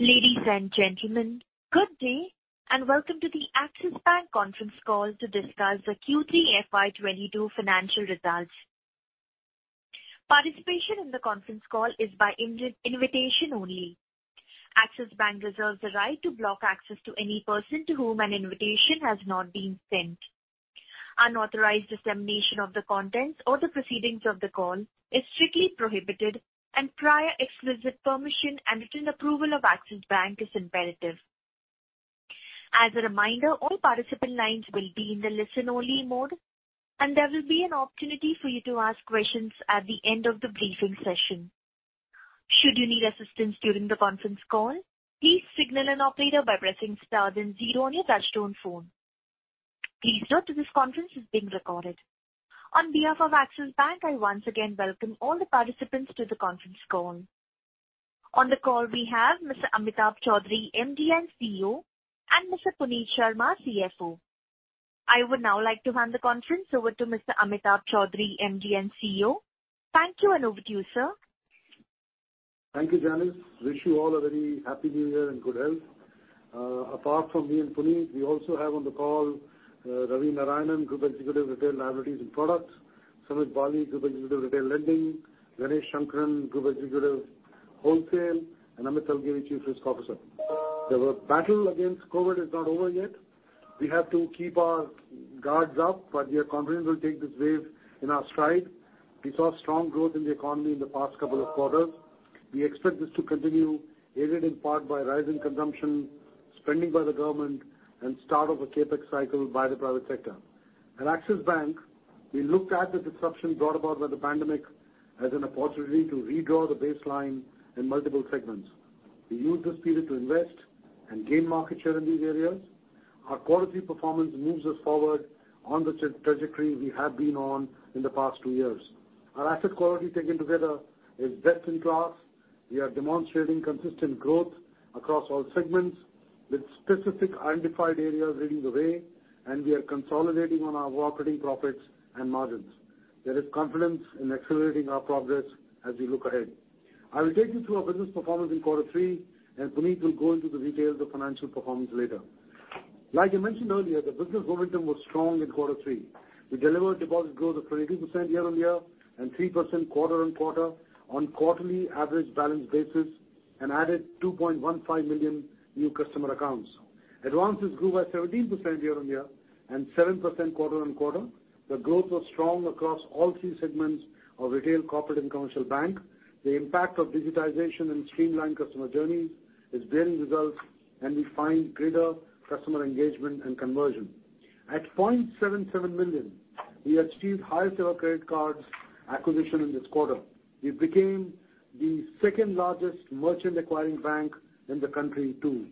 Ladies and gentlemen, good day, and welcome to the Axis Bank conference call to discuss the Q3 FY 2022 financial results. Participation in the conference call is by invitation only. Axis Bank reserves the right to block access to any person to whom an invitation has not been sent. Unauthorized dissemination of the contents or the proceedings of the call is strictly prohibited and prior explicit permission and written approval of Axis Bank is imperative. As a reminder, all participant lines will be in the listen-only mode, and there will be an opportunity for you to ask questions at the end of the briefing session. Should you need assistance during the conference call, please signal an operator by pressing star then zero on your touchtone phone. Please note that this conference is being recorded. On behalf of Axis Bank, I once again welcome all the participants to the conference call. On the call, we have Mr. Amitabh Chaudhry, MD & CEO, and Mr. Puneet Sharma, CFO. I would now like to hand the conference over to Mr. Amitabh Chaudhry, MD & CEO. Thank you, and over to you, sir. Thank you, Janice. Wish you all a very happy new year and good health. Apart from me and Puneet, we also have on the call Ravi Narayanan, Group Executive, Retail Liabilities and Products, Sumit Bali, Group Executive, Retail Lending, Ganesh Sankaran, Group Executive, Wholesale, and Amit Algave, Chief Risk Officer. The battle against COVID is not over yet. We have to keep our guards up, but we are confident we'll take this wave in our stride. We saw strong growth in the economy in the past couple of quarters. We expect this to continue, aided in part by rising consumption, spending by the government, and start of a CapEx cycle by the private sector. At Axis Bank, we looked at the disruption brought about by the pandemic as an opportunity to redraw the baseline in multiple segments. We used this period to invest and gain market share in these areas. Our quality performance moves us forward on the trajectory we have been on in the past two years. Our asset quality taken together is best in class. We are demonstrating consistent growth across all segments with specific identified areas leading the way, and we are consolidating on our operating profits and margins. There is confidence in accelerating our progress as we look ahead. I will take you through our business performance in quarter three, and Puneet will go into the details of financial performance later. Like I mentioned earlier, the business momentum was strong in quarter three. We delivered deposit growth of 20% year-on-year and 3% quarter-on-quarter on quarterly average balance basis and added 2.15 million new customer accounts. Advances grew by 17% year-on-year and 7% quarter-on-quarter. The growth was strong across all three segments of retail, corporate, and commercial bank. The impact of digitization and streamlined customer journeys is bearing results, and we find greater customer engagement and conversion. At 0.77 million, we achieved highest ever credit cards acquisition in this quarter. We became the second-largest merchant acquiring bank in the country, too.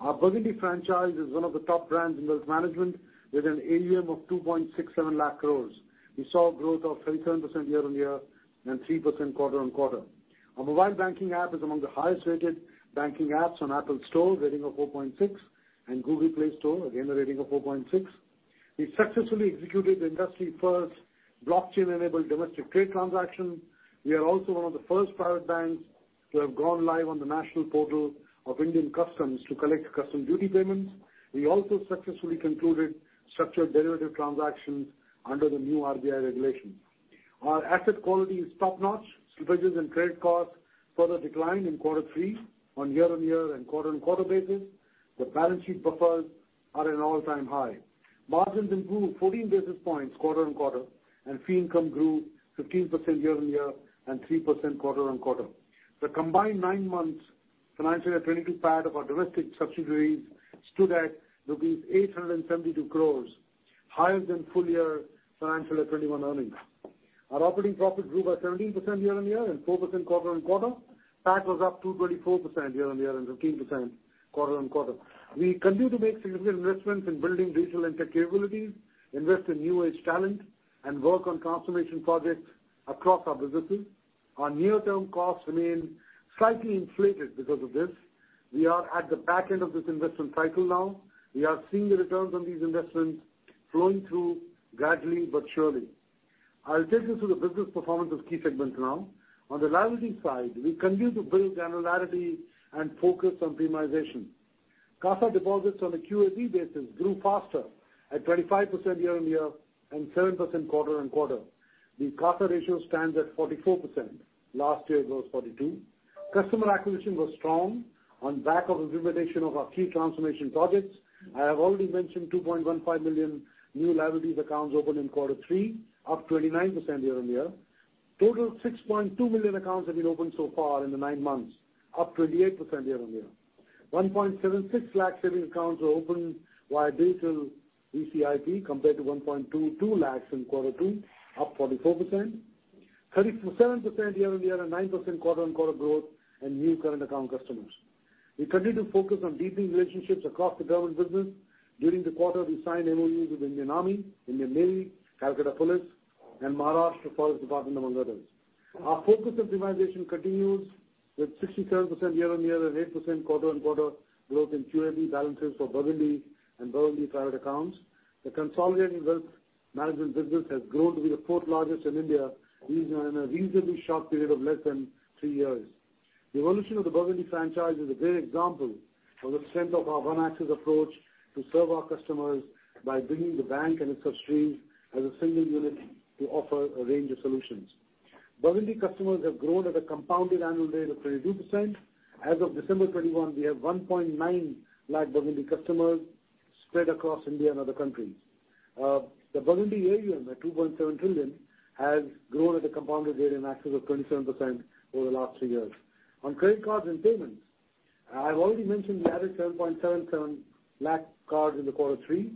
Our Burgundy franchise is one of the top brands in wealth management with an AUM of 2.67 lakh crores. We saw growth of 37% year-on-year and 3% quarter-on-quarter. Our mobile banking app is among the highest-rated banking apps on App Store, rating of 4.6, and Google Play Store, again, a rating of 4.6. We successfully executed the industry first blockchain-enabled domestic trade transaction. We are also one of the first private banks to have gone live on the national portal of Indian customs to collect customs duty payments. We also successfully concluded structured derivative transactions under the new RBI regulations. Our asset quality is top-notch. Provisions and credit costs further declined in quarter three on year-on-year and quarter-on-quarter basis. The balance sheet buffers are at an all-time high. Margins improved 14 basis points quarter-on-quarter, and fee income grew 15% year-on-year and 3% quarter-on-quarter. The combined nine months FY 2022 PAT of our domestic subsidiaries stood at rupees 872 crore, higher than full year FY 2021 earnings. Our operating profit grew by 17% year-on-year and 4% quarter-on-quarter. PAT was up 2.4% year-on-year and 15% quarter-on-quarter. We continue to make significant investments in building digital and tech capabilities, invest in new age talent, and work on transformation projects across our businesses. Our near-term costs remain slightly inflated because of this. We are at the back end of this investment cycle now. We are seeing the returns on these investments flowing through gradually but surely. I'll take you through the business performance of key segments now. On the liability side, we continue to build granularity and focus on premiumization. CASA deposits on a QAB basis grew faster at 25% year-on-year and 7% quarter-on-quarter. The CASA ratio stands at 44%. Last year it was 42%. Customer acquisition was strong on back of implementation of our key transformation projects. I have already mentioned 2.15 million new liabilities accounts opened in quarter three, up 29% year-on-year. Total 6.2 million accounts have been opened so far in the nine months, up 28% year-on-year. 1.76 lakh savings accounts were opened via digital V-CIP compared to 1.22 lakhs in quarter two, up 44%. 37% year-on-year and 9% quarter-on-quarter growth in new current account customers. We continue to focus on deepening relationships across the government business. During the quarter, we signed MOUs with the Indian Army, Indian Navy, Kolkata Police, and Maharashtra Forest Department, among others. Our focus on premiumization continues with 67% year-on-year and 8% quarter-on-quarter growth in QAB balances for Burgundy and Burgundy Private accounts. The consolidated wealth management business has grown to be the fourth largest in India, in a reasonably short period of less than three years. The evolution of the Burgundy franchise is a great example of the strength of our One Axis approach to serve our customers by bringing the bank and its subsidiaries as a single unit to offer a range of solutions. Burgundy customers have grown at a compounded annual rate of 22%. As of December 2021, we have 1.9 lakh Burgundy customers spread across India and other countries. The Burgundy AUM at 2.7 trillion has grown at a compounded rate in excess of 27% over the last three years. On credit cards and payments, I've already mentioned we added 7.77 lakh cards in the quarter three.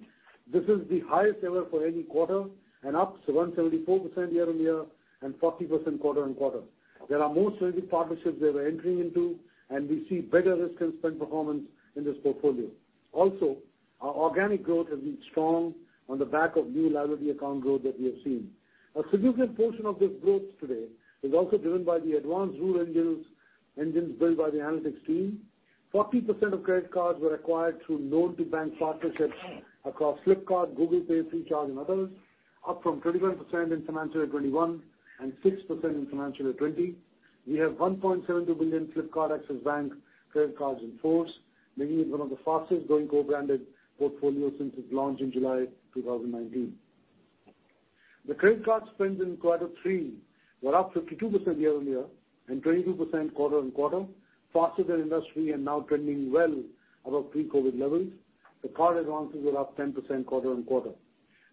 This is the highest ever for any quarter and up to 174% year-on-year and 40% quarter-on-quarter. There are more strategic partnerships that we're entering into, and we see better risk and spend performance in this portfolio. Also, our organic growth has been strong on the back of new liability account growth that we have seen. A significant portion of this growth today is also driven by the advanced rule engines built by the analytics team. 40% of credit cards were acquired through known-to-bank partnerships across Flipkart, Google Pay, Freecharge, and others, up from 21% in financial year 2021 and 6% in financial year 2020. We have 1.72 billion Flipkart Axis Bank credit cards in force, making it one of the fastest growing co-branded portfolios since its launch in July 2019. The credit card spends in quarter three were up 52% year-on-year and 22% quarter-on-quarter, faster than industry and now trending well above pre-COVID levels. The card advances were up 10% quarter-on-quarter.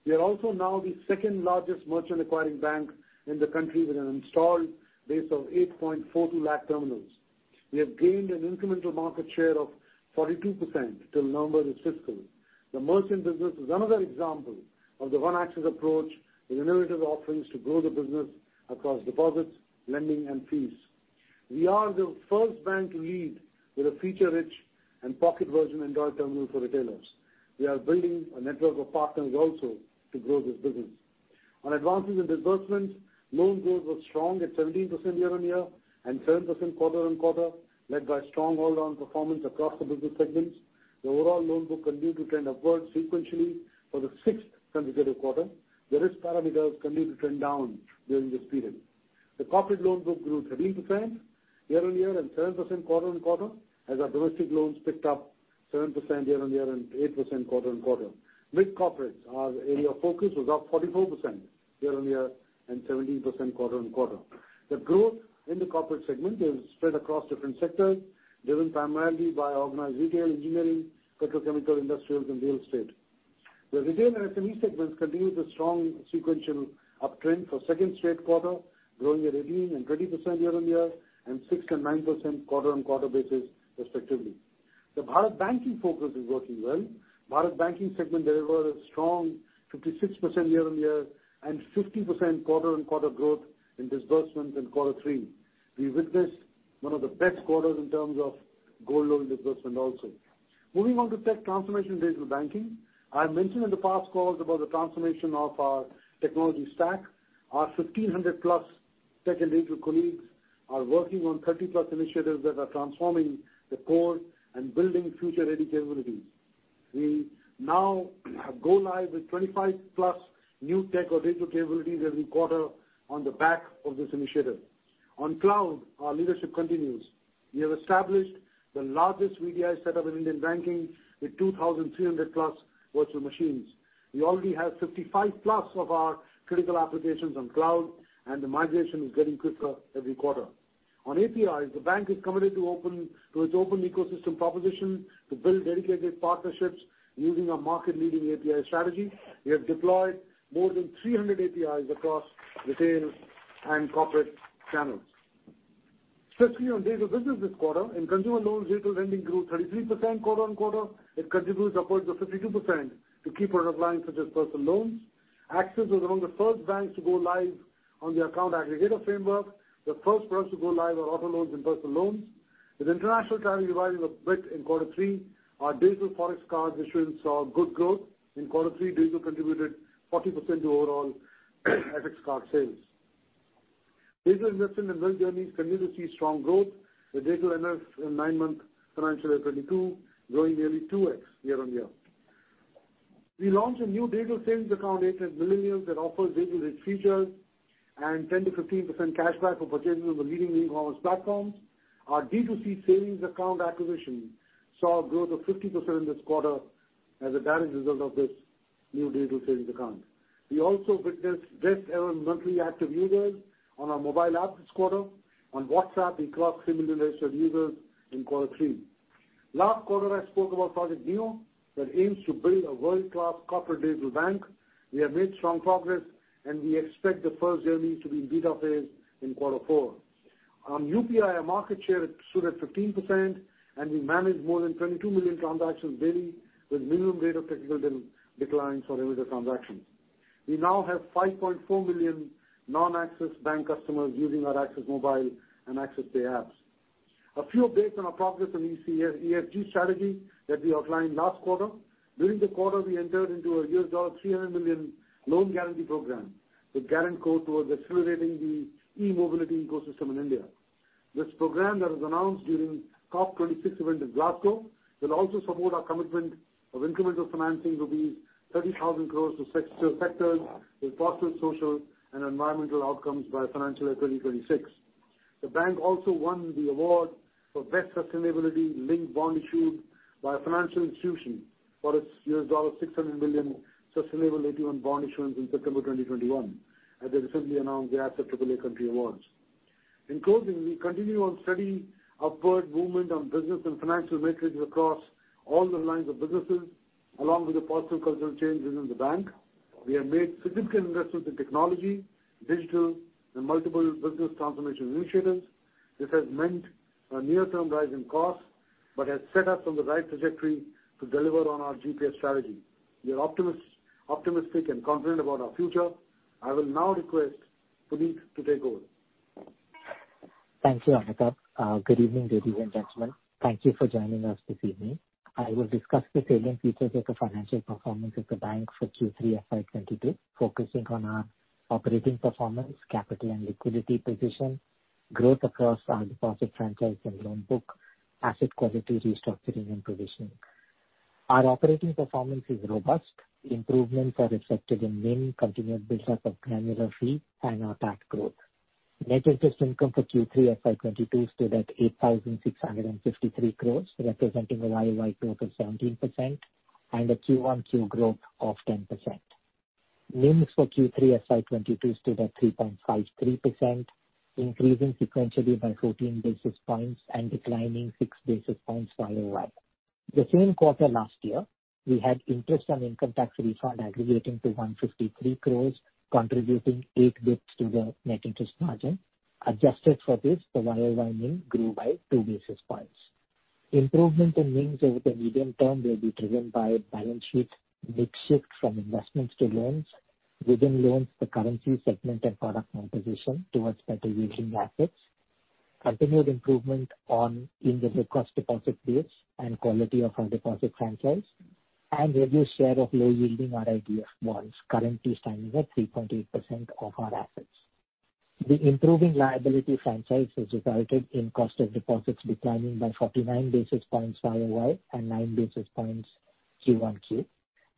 We are also now the second-largest merchant acquiring bank in the country with an installed base of 8.42 lakh terminals. We have gained an incremental market share of 42% till now this fiscal. The merchant business is another example of the One Axis approach with innovative offerings to grow the business across deposits, lending, and fees. We are the first bank to lead with a feature-rich and pocket version Android terminal for retailers. We are building a network of partners also to grow this business. On advances and disbursements, loan growth was strong at 17% year-on-year and 7% quarter-on-quarter, led by strong all-around performance across the business segments. The overall loan book continued to trend upwards sequentially for the sixth consecutive quarter. The risk parameters continued to trend down during this period. The corporate loan book grew 13% year-on-year and 7% quarter-on-quarter, as our domestic loans picked up 7% year-on-year and 8% quarter-on-quarter. Mid-corporates, our area of focus, was up 44% year-on-year and 17% quarter-on-quarter. The growth in the corporate segment is spread across different sectors, driven primarily by organized retail, engineering, petrochemical, industrials, and real estate. The retail and SME segments continued a strong sequential uptrend for second straight quarter, growing at 18% and 20% year-on-year and 6% and 9% quarter-on-quarter basis respectively. The Bharat Banking focus is working well. Bharat Banking segment delivered a strong 56% year-on-year and 50% quarter-on-quarter growth in disbursements in quarter three. We witnessed one of the best quarters in terms of gold loan disbursement also. Moving on to tech transformation and digital banking. I've mentioned in the past calls about the transformation of our technology stack. Our 1,500+ tech and digital colleagues are working on 30+ initiatives that are transforming the core and building future-ready capabilities. We now go live with 25+ new tech or digital capabilities every quarter on the back of this initiative. On cloud, our leadership continues. We have established the largest VDI setup in Indian banking with 2,300+ virtual machines. We already have 55+ of our critical applications on cloud, and the migration is getting quicker every quarter. On APIs, the bank is committed to its open ecosystem proposition to build dedicated partnerships using our market-leading API strategy. We have deployed more than 300 APIs across retail and corporate channels. Switching on digital business this quarter, in consumer loans, digital lending grew 33% quarter-on-quarter. It contributes upwards of 52% to key product lines such as personal loans. Axis is among the first banks to go live on the account aggregator framework. The first for us to go live are auto loans and personal loans. With international travel reviving a bit in quarter three, our digital Forex card issuance saw good growth. In quarter three, digital contributed 40% to overall FX card sales. Digital investment and wealth journeys continue to see strong growth, with digital AUMs in nine-month FY 2022 growing nearly 2x year-on-year. We launched a new digital savings account aimed millennials that offers digital-rich features and 10%-15% cashback for purchases on the leading e-commerce platforms. Our D2C savings account acquisition saw a growth of 50% this quarter as a direct result of this new digital savings account. We also witnessed best-ever monthly active users on our mobile app this quarter. On WhatsApp, we crossed similar ratio of users in quarter three. Last quarter, I spoke about Project NEO that aims to build a world-class corporate digital bank. We have made strong progress, and we expect the first journeys to be in beta phase in quarter four. On UPI, our market share stood at 15%, and we managed more than 22 million transactions daily with minimum rate of technical decline for regular transactions. We now have 5.4 million non-Axis Bank customers using our Axis Mobile and BHIM Axis Pay apps. A few updates on our progress on ESG strategy that we outlined last quarter. During the quarter, we entered into a $300 million loan guarantee program with GuarantCo towards accelerating the e-mobility ecosystem in India. This program that was announced during COP26 event in Glasgow will also support our commitment of incremental financing will be 30,000 crore to sectors with positive social and environmental outcomes by financial year 2026. The bank also won the award for best sustainability-linked bond issued by a financial institution for its $600 million sustainability-linked bond issuance in September 2021 at the recently announced The Asset Triple A Country Awards. In closing, we continue on steady upward movement on business and financial metrics across all the lines of businesses, along with the positive cultural changes in the bank. We have made significant investments in technology, digital and multiple business transformation initiatives. This has meant a near-term rise in costs, but has set us on the right trajectory to deliver on our GPS strategy. We are optimistic and confident about our future. I will now request Puneet to take over. Thank you, Amitabh. Good evening, ladies and gentlemen. Thank you for joining us this evening. I will discuss the salient features of the financial performance of the bank for Q3 FY 2022, focusing on our operating performance, capital and liquidity position, growth across our deposit franchise and loan book, asset quality restructuring and provisioning. Our operating performance is robust. Improvements are reflected in mainly continued build-up of granular fees and our NII growth. Net interest income for Q3 FY 2022 stood at 8,653 crores, representing a YoY growth of 17% and a QoQ growth of 10%. NIMs for Q3 FY 2022 stood at 3.53%, increasing sequentially by 14 basis points and declining six basis points YoY. The same quarter last year, we had interest on income tax refund aggregating to 153 crore, contributing eight basis points to the net interest margin. Adjusted for this, the year-over-year NIM grew by two basis points. Improvement in NIMs over the medium term will be driven by balance sheet mix shift from investments to loans. Within loans, the corporate segment and product composition towards better yielding assets. Continued improvement on low-cost deposit base and quality of our deposit franchise and reducing share of low yielding RIDF bonds currently standing at 3.8% of our assets. The improving liability franchise has resulted in cost of deposits declining by 49 basis points year-over-year and nine basis points quarter-on-quarter.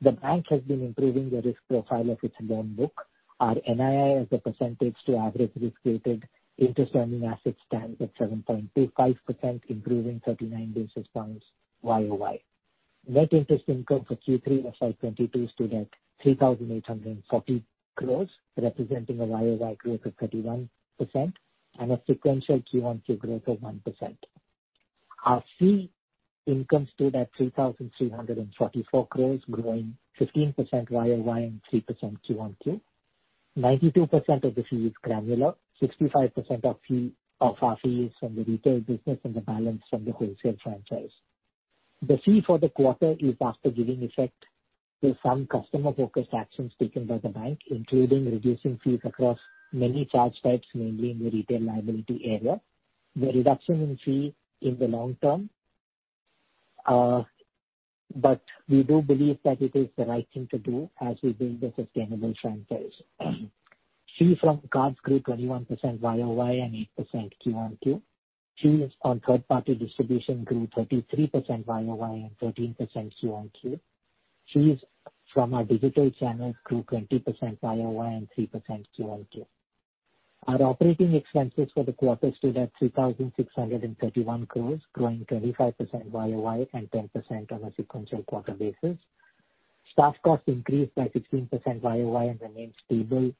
The bank has been improving the risk profile of its loan book. Our NII as a percentage to average risk-weighted interest earning assets stands at 7.25%, improving 39 basis points YOY. Net interest income for Q3 FY 2022 stood at 3,840 crores, representing a YOY growth of 31% and a sequential Q-on-Q growth of 1%. Our fee income stood at 3,344 crores, growing 15% YOY and 3% Q-on-Q. 92% of the fee is granular, 65% of fee, of our fee is from the retail business and the balance from the wholesale franchise. The fee for the quarter is after giving effect to some customer-focused actions taken by the bank, including reducing fees across many charge types, mainly in the retail liability area. The reduction in fee is the long term, but we do believe that it is the right thing to do as we build a sustainable franchise. Fee from cards grew 21% YOY and 8% Q-on-Q. Fees on third-party distribution grew 33% YOY and 13% Q-on-Q. Fees from our digital channels grew 20% YOY and 3% Q-on-Q. Our operating expenses for the quarter stood at 3,631 crores, growing 25% YOY and 10% on a sequential quarter basis. Staff costs increased by 16% YOY and remained stable,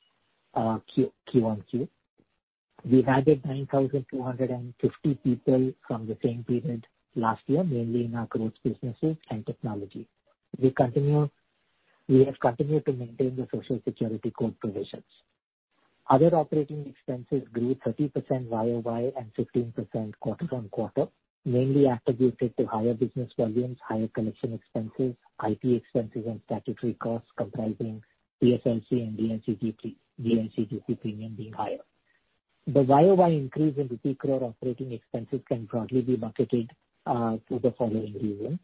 Q-on-Q. We added 9,250 people from the same period last year, mainly in our growth businesses and technology. We have continued to maintain the Social Security code provisions. Other operating expenses grew 30% year-over-year and 15% quarter-over-quarter, mainly attributed to higher business volumes, higher collection expenses, IT expenses and statutory costs comprising PSLC and DICGC premium being higher. The year-over-year increase in crore operating expenses can broadly be attributed to the following reasons.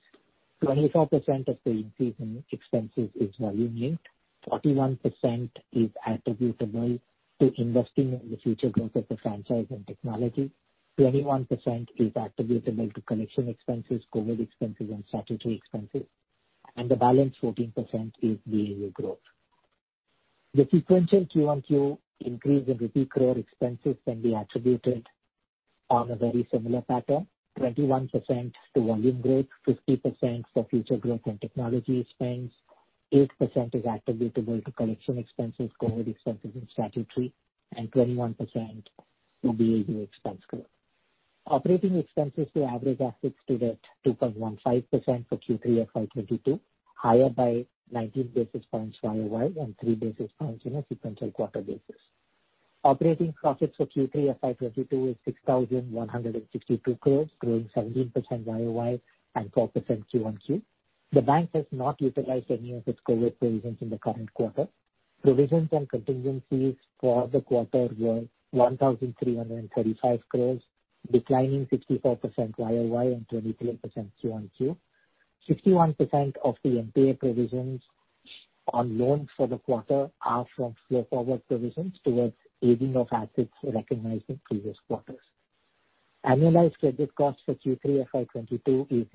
24% of the increase in expenses is volume linked. 41% is attributable to investing in the future growth of the franchise and technology. 21% is attributable to collection expenses, COVID expenses and statutory expenses, and the balance 14% is BAU growth. The sequential quarter-over-quarter increase in INR crore expenses can be attributed on a very similar pattern. 21% to volume growth, 50% for future growth and technology spends, 8% is attributable to collection expenses, COVID expenses and statutory, and 21% to BAU expense growth. Operating expenses to average assets stood at 2.15% for Q3 FY 2022, higher by 19 basis points YOY and three basis points on a sequential quarter basis. Operating profits for Q3 FY 2022 is 6,162 crores, growing 17% YOY and 4% Q-on-Q. The bank has not utilized any of its COVID provisions in the current quarter. Provisions and contingencies for the quarter were 1,335 crores, declining 64% YOY and 23% Q-on-Q. 61% of the NPA provisions on loans for the quarter are from specific provisions towards aging of assets recognized in previous quarters. Annualized credit costs for Q3 FY 2022 is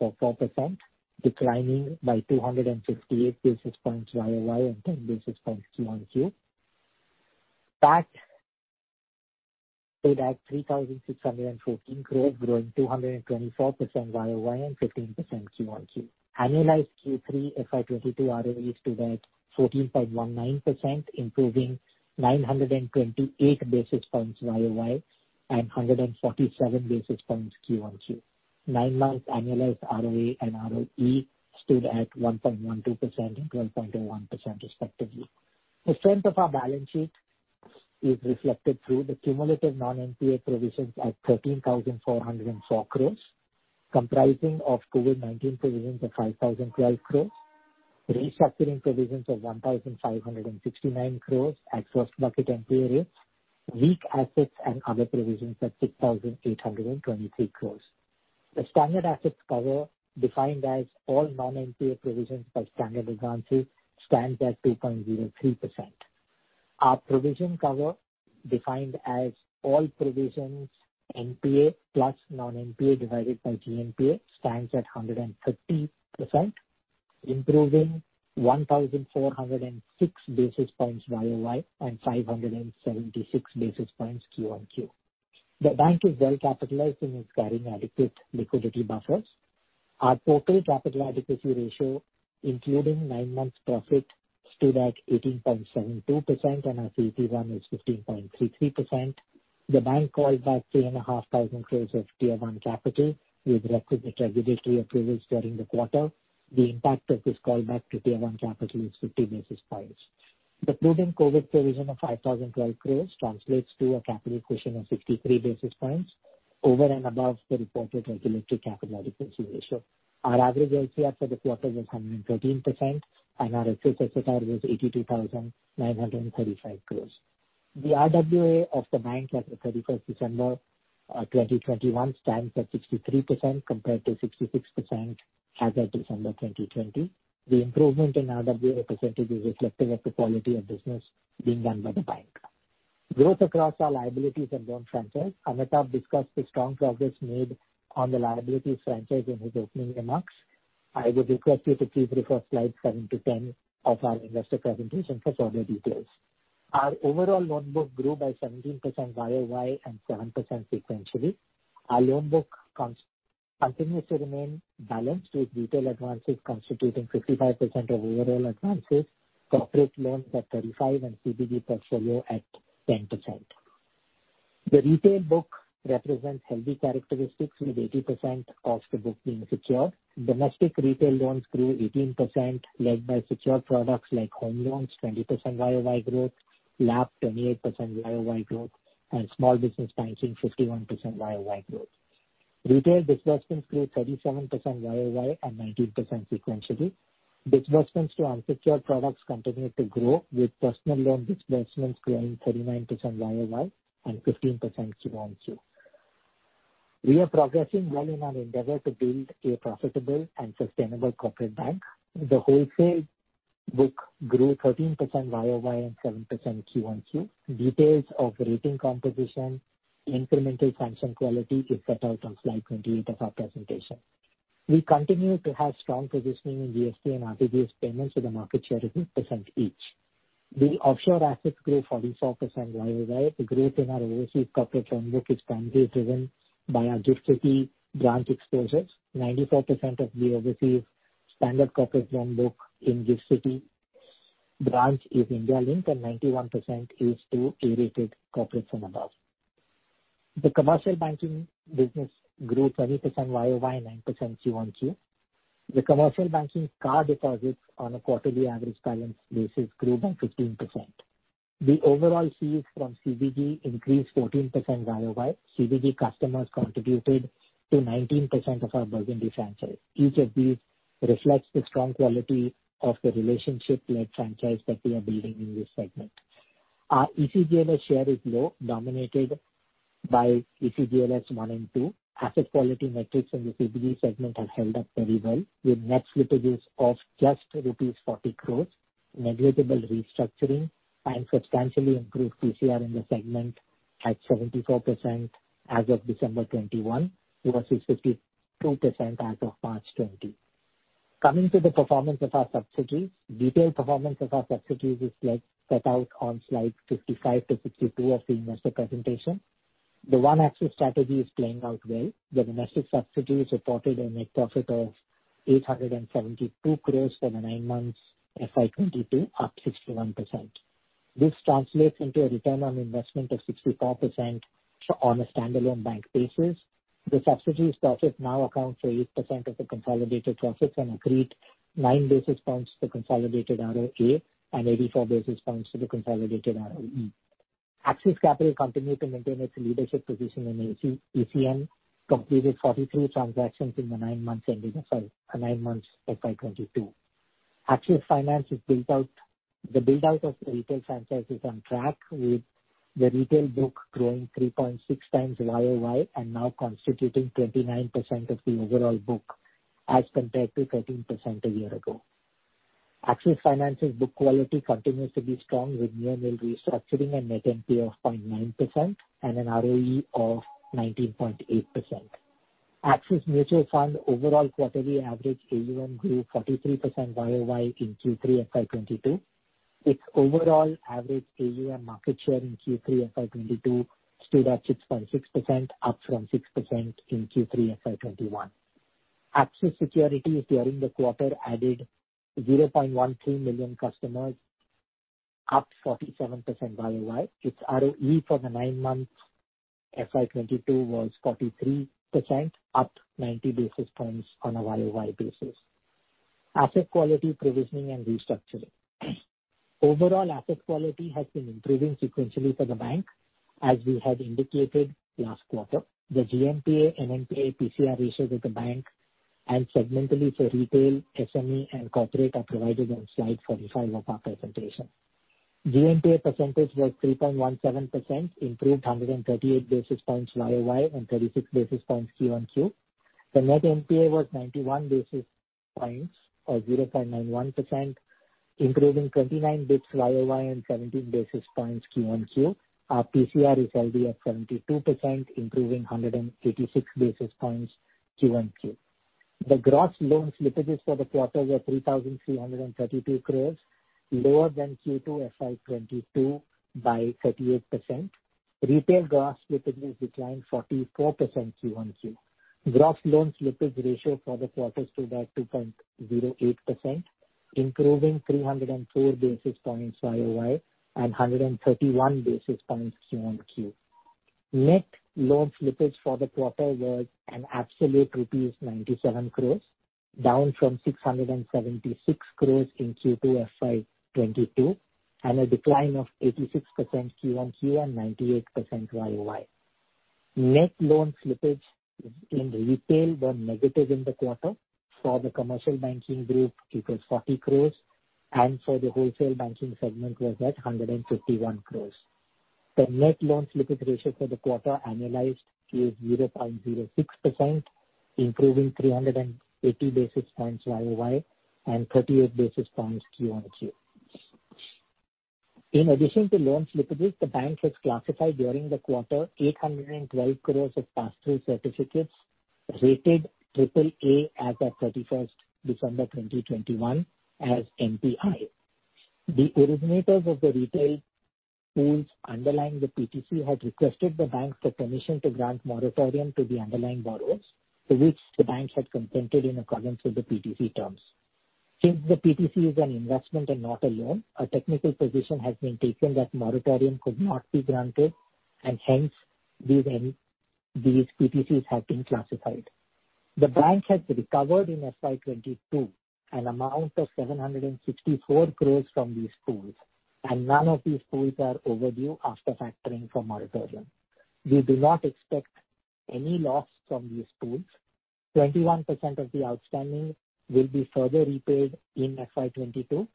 0.44%, declining by 268 basis points YOY and 10 basis points QOQ. Tax stood at 3,614 crores, growing 224% YOY and 15% QOQ. Annualized Q3 FY 2022 ROE stood at 14.19%, improving 928 basis points YOY and 147 basis points QOQ. Nine months annualized ROA and ROE stood at 1.12% and 12.1% respectively. The strength of our balance sheet is reflected through the cumulative non-NPA provisions at 13,404 crores, comprising of COVID-19 provisions of 5,012 crores, restructuring provisions of 1,569 crores at first bucket NPA rates, weak assets and other provisions at 6,823 crores. The standard assets cover, defined as all non-NPA provisions by standard advances, stands at 2.03%. Our provision cover, defined as all provisions NPA plus non-NPA divided by GNPA, stands at 150%, improving 1,406 basis points year-over-year and 576 basis points quarter-over-quarter. The bank is well capitalized and is carrying adequate liquidity buffers. Our total capital adequacy ratio, including nine months profit, stood at 18.72% and our CET1 is 15.33%. The bank called back 3,500 crore of Tier One capital. We've reflected the regulatory approvals during the quarter. The impact of this call back to Tier One capital is 50 basis points. The proven COVID provision of 5,012 crore translates to a capital cushion of 63 basis points over and above the reported regulatory capital adequacy ratio. Our average LCR for the quarter was 113% and our excess SLR was 82,935 crore. The RWA of the bank at the 31 December 2021 stands at 63% compared to 66% as at December 2020. The improvement in RWA percentage is reflective of the quality of business being done by the bank. Growth across our liabilities and loans franchise. Amitabh discussed the strong progress made on the liabilities franchise in his opening remarks. I would request you to please refer slides 7-10 of our investor presentation for further details. Our overall loan book grew by 17% YOY and 7% sequentially. Our loan book continues to remain balanced, with retail advances constituting 55% of overall advances, corporate loans at 35% and CBG portfolio at 10%. The retail book represents healthy characteristics with 80% of the book being secured. Domestic retail loans grew 18%, led by secured products like home loans, 20% year-over-year growth, LAP 28% year-over-year growth and small business financing 51% year-over-year growth. Retail disbursements grew 37% year-over-year and 19% sequentially. Disbursements to unsecured products continued to grow, with personal loan disbursements growing 39% year-over-year and 15% quarter-over-quarter. We are progressing well in our endeavor to build a profitable and sustainable corporate bank. The wholesale book grew 13% year-over-year and 7% quarter-over-quarter. Details of rating composition, incremental sanction quality is set out on slide 28 of our presentation. We continue to have strong positioning in NEFT and RTGS payments with a market share of 8% each. The offshore assets grew 44% year-over-year. The growth in our overseas corporate loan book is primarily driven by our Gift City branch exposures. 94% of the overseas standard corporate loan book in Gift City branch is India linked and 91% is to A-rated corporate and above. The commercial banking business grew 20% year-over-year and 9% quarter-over-quarter. The commercial banking card deposits on a quarterly average balance basis grew by 15%. The overall fees from CBG increased 14% year-over-year. CBG customers contributed to 19% of our Burgundy franchise. Each of these reflects the strong quality of the relationship-led franchise that we are building in this segment. Our ECGLS share is low, dominated by ECGLS 1 and 2. Asset quality metrics in the CBG segment have held up very well, with net slippages of just rupees 40 crores, negligible restructuring and substantially improved PCR in the segment at 74% as of December 2021 versus 52% as of March 2020. Coming to the performance of our subsidiaries. Detailed performance of our subsidiaries is, like, set out on slides 55-62 of the investor presentation. The One Axis strategy is playing out well. The domestic subsidiaries reported a net profit of 872 crores for the nine months FY 2022, up 61%. This translates into a return on investment of 64% on a standalone bank basis. The subsidiaries' profit now accounts for 8% of the consolidated profits and accrete nine basis points to consolidated ROA and 84 basis points to the consolidated ROE. Axis Capital continued to maintain its leadership position in AC-ECM, completed 43 transactions in the nine months FY 2022. Axis Finance is built out. The build out of the retail franchise is on track with the retail book growing 3.6 times YOY and now constituting 29% of the overall book as compared to 13% a year ago. Axis Finance's book quality continues to be strong, with near-nil restructuring and net NPA of 0.9% and an ROE of 19.8%. Axis Mutual Fund overall quarterly average AUM grew 43% YOY in Q3 FY 2022. Its overall average AUM market share in Q3 FY 2022 stood at 6.6%, up from 6% in Q3 FY 2021. Axis Securities during the quarter added 0.13 million customers, up 47% YOY. Its ROE for the nine months FY 2022 was 43%, up 90 basis points on a year-over-year basis. Asset quality, provisioning, and restructuring. Overall asset quality has been improving sequentially for the bank as we had indicated last quarter. The GNPA, NPA, PCR ratios of the bank and segmentally for retail, SME and corporate are provided on slide 45 of our presentation. GNPA percentage was 3.17%, improved 138 basis points year-over-year and 36 basis points quarter-over-quarter. The net NPA was 91 basis points or 0.91%, improving 29 basis points year-over-year and 17 basis points quarter-over-quarter. Our PCR is healthy at 72%, improving 136 basis points quarter-over-quarter. The gross loan slippages for the quarter were 3,332 crores, lower than Q2 FY 2022 by 38%. Retail gross slippage has declined 44% quarter-over-quarter. Gross loan slippage ratio for the quarter stood at 2.08%, improving 304 basis points YoY and 131 basis points QoQ. Net loan slippage for the quarter was an absolute rupees 97 crores, down from 676 crores in Q2 FY 2022, and a decline of 86% QoQ and 98% YoY. Net loan slippage in Retail were negative in the quarter. For the Commercial Banking Group, it was 40 crores, and for the Wholesale Banking segment was at 151 crores. The net loan slippage ratio for the quarter annualized to 0.06%, improving 380 basis points YoY and 38 basis points QoQ. In addition to loan slippages, the bank has classified during the quarter 812 crore of pass-through certificates rated triple A as at 31 December 2021 as NPI. The originators of the retail pools underlying the PTC had requested the banks for permission to grant moratorium to the underlying borrowers, to which the banks had consented in accordance with the PTC terms. Since the PTC is an investment and not a loan, a technical position has been taken that moratorium could not be granted and hence these PTCs have been classified. The bank has recovered in FY 2022 an amount of 764 crore from these pools, and none of these pools are overdue after factoring for moratorium. We do not expect any loss from these pools. 21% of the outstanding will be further repaid in FY 2022.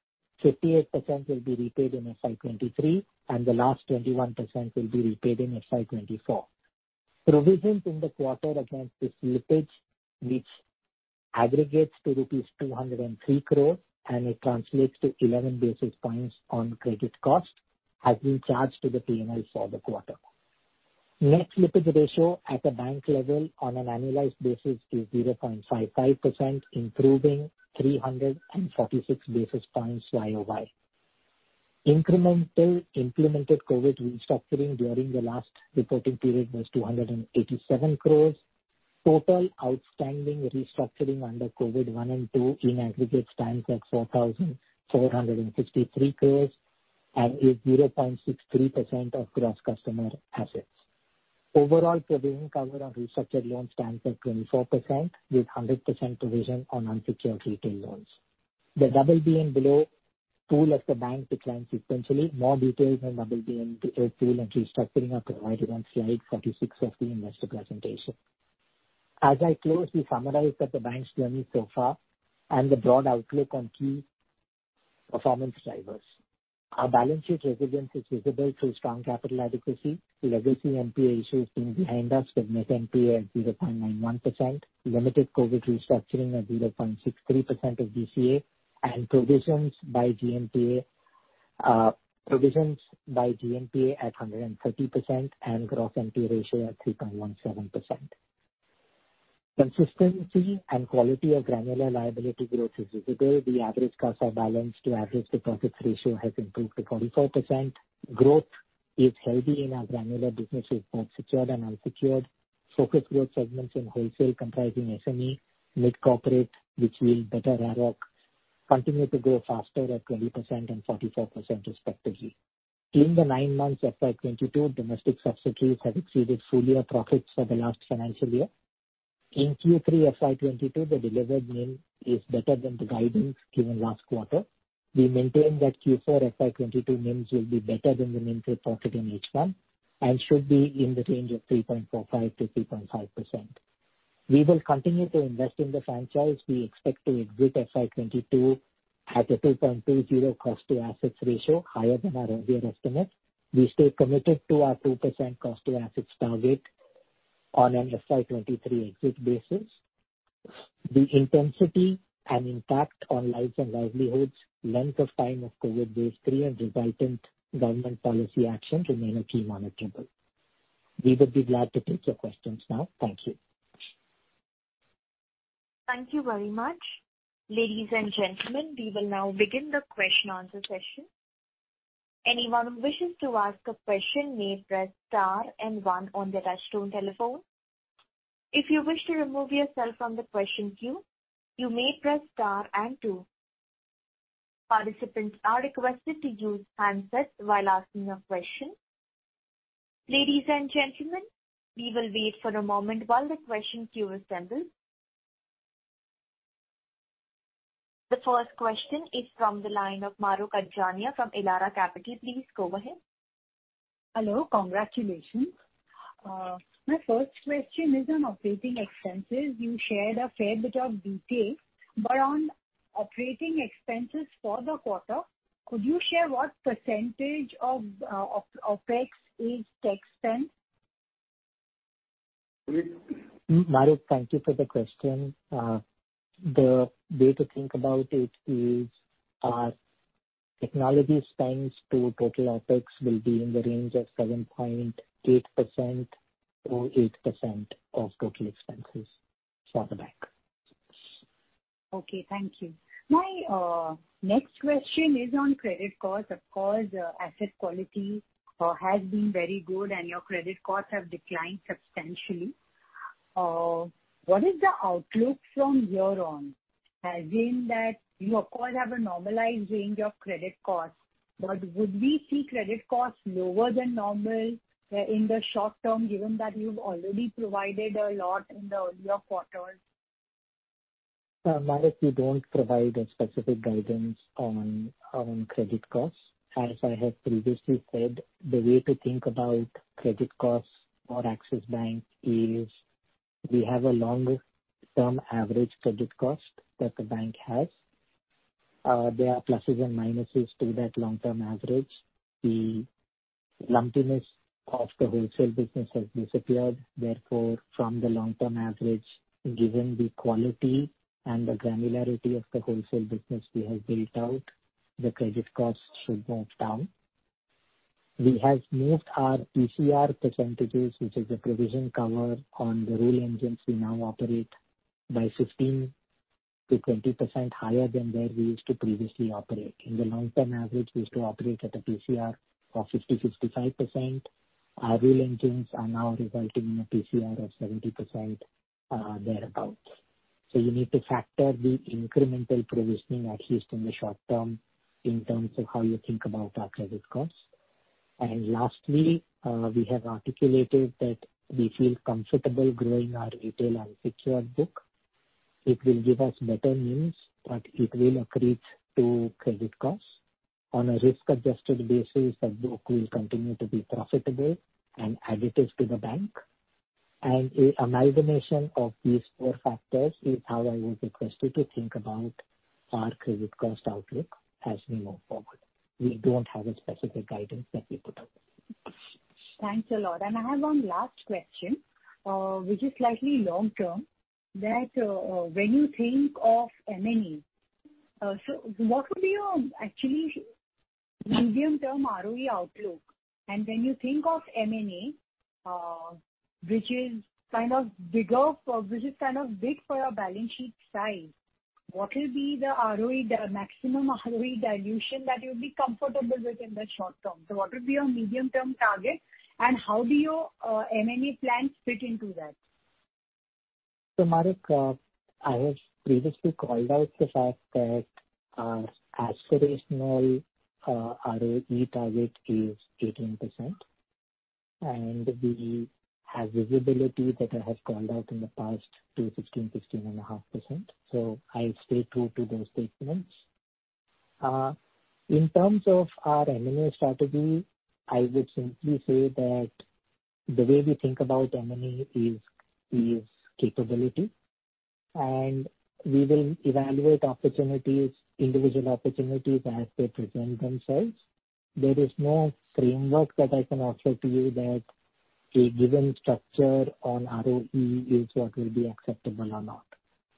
58% will be repaid in FY 2023, and the last 21% will be repaid in FY 2024. Provisions in the quarter against this slippage, which aggregates to rupees 203 crore and it translates to 11 basis points on credit cost, has been charged to the P&L for the quarter. Net slippage ratio at the bank level on an annualized basis is 0.55%, improving 346 basis points YOY. Incremental implemented COVID restructuring during the last reporting period was 287 crore. Total outstanding restructuring under COVID one and two in aggregate stands at 4,453 crore and is 0.63% of gross customer assets. Overall provision cover on restructured loans stands at 24%, with 100% provision on unsecured retail loans. The double B and below pool at the bank declined sequentially. More details on double B and below pool and restructuring are provided on slide 46 of the investor presentation. As I close, we summarize that the bank's journey so far and the broad outlook on key performance drivers. Our balance sheet resilience is visible through strong capital adequacy, legacy NPA issues being behind us with net NPA at 0.91%, limited COVID restructuring at 0.63% of DCA and provisions by GNPA at 130% and gross NPA ratio at 3.17%. Consistency and quality of granular liability growth is visible. The average CASA balance to average deposits ratio has improved to 44%. Growth is healthy in our granular businesses, both secured and unsecured. focus on growth segments in wholesale, comprising SME, mid-corporate, which will better RAROC, continue to grow faster at 20% and 44% respectively. In the nine months FY 2022, domestic subsidiaries have exceeded full year profits for the last financial year. In Q3 FY 2022, the delivered NIM is better than the guidance given last quarter. We maintain that Q4 FY 2022 NIMs will be better than the NIMs we forecasted in H1 and should be in the range of 3.45%-3.5%. We will continue to invest in the franchise. We expect to exit FY 2022 at a 2.20 cost to assets ratio, higher than our earlier estimate. We stay committed to our 2% cost to assets target on an FY 2023 exit basis. The intensity and impact on lives and livelihoods, length of time of COVID wave three and resultant government policy actions remain a key monitorable. We would be glad to take your questions now. Thank you. Thank you very much. Ladies and gentlemen, we will now begin the question answer session. Anyone who wishes to ask a question may press star and one on their touchtone telephone. If you wish to remove yourself from the question queue, you may press star and two. Participants are requested to use handsets while asking a question. Ladies and gentlemen, we will wait for a moment while the question queue assembles. The first question is from the line of Mahrukh Adajania from Elara Capital. Please go ahead. Hello. Congratulations. My first question is on operating expenses. You shared a fair bit of detail, but on operating expenses for the quarter, could you share what percentage of OpEx is tech spend? Mahrukh, thank you for the question. The way to think about it is our technology spend to total OpEx will be in the range of 7.8% or 8% of total expenses for the bank. Okay, thank you. My next question is on credit costs. Of course, asset quality has been very good and your credit costs have declined substantially. What is the outlook from here on, assuming that you of course have a normalized range of credit costs, but would we see credit costs lower than normal in the short term, given that you've already provided a lot in the earlier quarters? Mahrukh, we don't provide a specific guidance on credit costs. As I have previously said, the way to think about credit costs for Axis Bank is we have a longer-term average credit cost that the bank has. There are pluses and minuses to that long-term average. The lumpiness of the wholesale business has disappeared. Therefore, from the long-term average, given the quality and the granularity of the wholesale business we have built out, the credit costs should move down. We have moved our PCR percentages, which is the provision cover on the rule engines we now operate by 16%-20% higher than where we used to previously operate. In the long-term average, we used to operate at a PCR of 50%-55%. Our rule engines are now resulting in a PCR of 70%, thereabout. You need to factor the incremental provisioning, at least in the short term, in terms of how you think about our credit costs. Lastly, we have articulated that we feel comfortable growing our retail unsecured book. It will give us better yields, but it will accrete to credit costs. On a risk-adjusted basis, that book will continue to be profitable and additive to the bank. An amalgamation of these four factors is how I would request you to think about our credit cost outlook as we move forward. We don't have a specific guidance that we put out. Thanks a lot. I have one last question, which is slightly long-term, when you think of M&A, what would be your actually medium-term ROE outlook? When you think of M&A, which is kind of big for your balance sheet size, what will be the ROE, the maximum ROE dilution that you'll be comfortable with in the short term? What would be your medium-term target and how do your M&A plans fit into that? Mahrukh, I have previously called out the fact that our aspirational ROE target is 18%, and we have visibility that I have called out in the past to 16.5%, so I stay true to those statements. In terms of our M&A strategy, I would simply say that the way we think about M&A is capability, and we will evaluate opportunities, individual opportunities as they present themselves. There is no framework that I can offer to you that a given structure on ROE is what will be acceptable or not.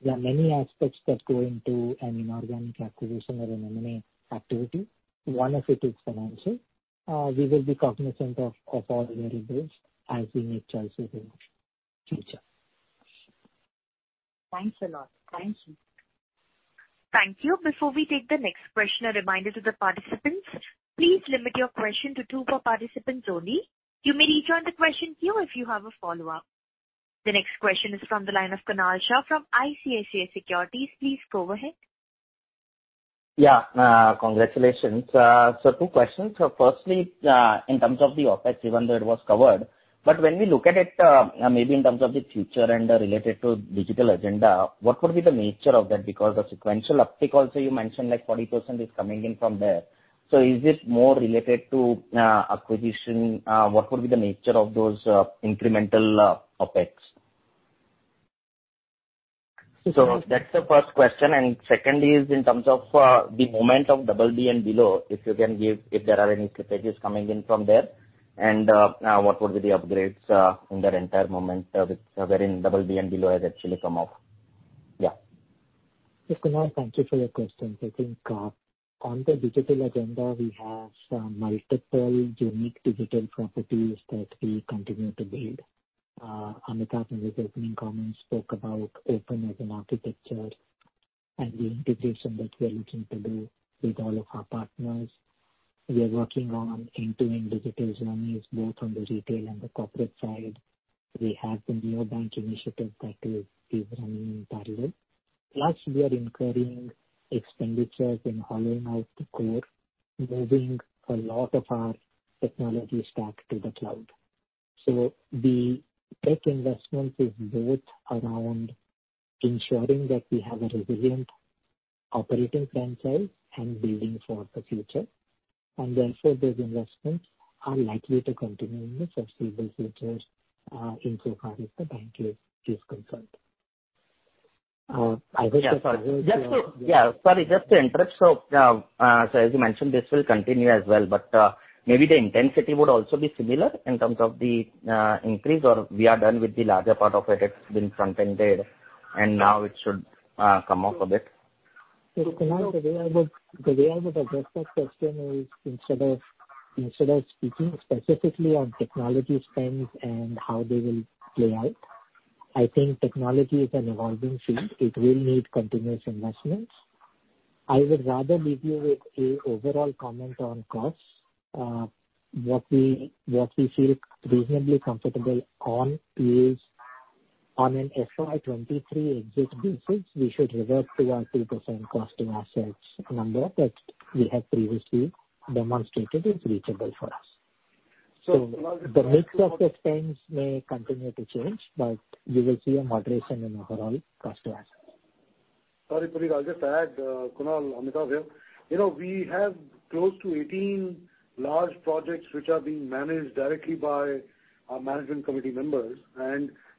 There are many aspects that go into an inorganic acquisition or an M&A activity. One of it is financial. We will be cognizant of all variables as we make choices in future. Thanks a lot. Thank you. Thank you. Before we take the next question, a reminder to the participants, please limit your question to two per participant only. You may rejoin the question queue if you have a follow-up. The next question is from the line of Kunal Shah from ICICI Securities. Please go ahead. Congratulations. Two questions. Firstly, in terms of the OpEx, even though it was covered, but when we look at it, maybe in terms of the future and related to digital agenda, what would be the nature of that? Because the sequential uptick also you mentioned like 40% is coming in from there. Is it more related to acquisition? What would be the nature of those incremental OpEx? That's the first question. Second is in terms of the movement of double B and below, if you can give, if there are any slippages coming in from there. What would be the upgrades in that entire segment wherein double B and below has actually come off? Yes, Kunal, thank you for your questions. I think, on the digital agenda, we have some multiple unique digital properties that we continue to build. Amitabh, in his opening comments, spoke about open as an architecture and the integration that we are looking to do with all of our partners. We are working on end-to-end digital journeys, both on the retail and the corporate side. We have the NEO Bank initiative that is running in parallel. Plus we are incurring expenditures in hollowing out the core, moving a lot of our technology stack to the cloud. So the tech investments is both around ensuring that we have a resilient operating franchise and building for the future. Therefore, those investments are likely to continue in the foreseeable future, insofar as the bank is concerned. I wish- Sorry, just to interrupt. As you mentioned, this will continue as well, but maybe the intensity would also be similar in terms of the increase or we are done with the larger part of it. It's been front-ended and now it should come off a bit. Yes, Kunal, the way I would address that question is instead of speaking specifically on technology spends and how they will play out, I think technology is an evolving field. It will need continuous investments. I would rather leave you with an overall comment on costs. What we feel reasonably comfortable on is on an FY 2023 exit basis, we should revert to our 3% cost to assets number that we have previously demonstrated is reachable for us. So The mix of the spends may continue to change, but you will see a moderation in overall cost to assets. Sorry, Puneet. I'll just add, Kunal, Amitabh here. You know, we have close to 18 large projects which are being managed directly by our management committee members.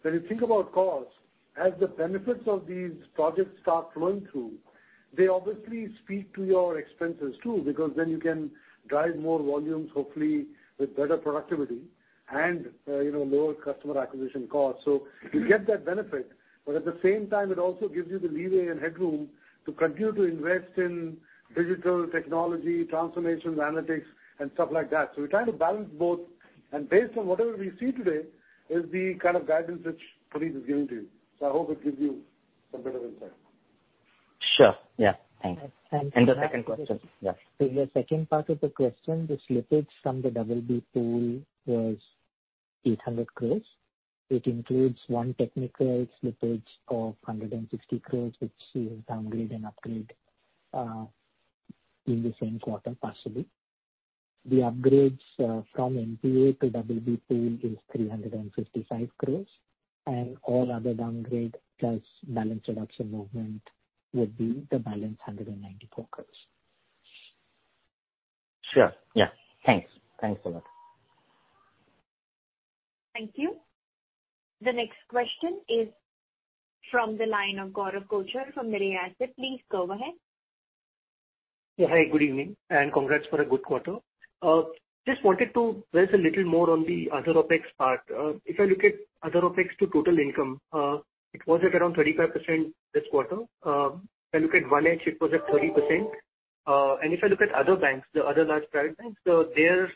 When you think about costs, as the benefits of these projects start flowing through, they obviously speak to your expenses too, because then you can drive more volumes, hopefully with better productivity and, you know, lower customer acquisition costs. You get that benefit, but at the same time, it also gives you the leeway and headroom to continue to invest in digital technology, transformations, analytics and stuff like that. We're trying to balance both and based on whatever we see today is the kind of guidance which Puneet is giving to you. I hope it gives you some better insight. Sure. Yeah. Thanks. Thank you. The second question. Yeah. The second part of the question, the slippage from the double B pool was 800 crores. It includes one technical slippage of 160 crores, which is downgrade and upgrade in the same quarter possibly. The upgrades from NPA to double B pool is 355 crores, and all other downgrade plus balance reduction movement would be the balance 194 crores. Sure. Yeah. Thanks. Thanks a lot. Thank you. The next question is from the line of Gaurav Kochar from Mirae Asset. Please go ahead. Yeah. Hi, good evening, and congrats for a good quarter. Just wanted to raise a little more on the other OpEx part. If I look at other OpEx to total income, it was at around 35% this quarter. If I look at One Axis, it was at 30%. If I look at other banks, the other large private banks, their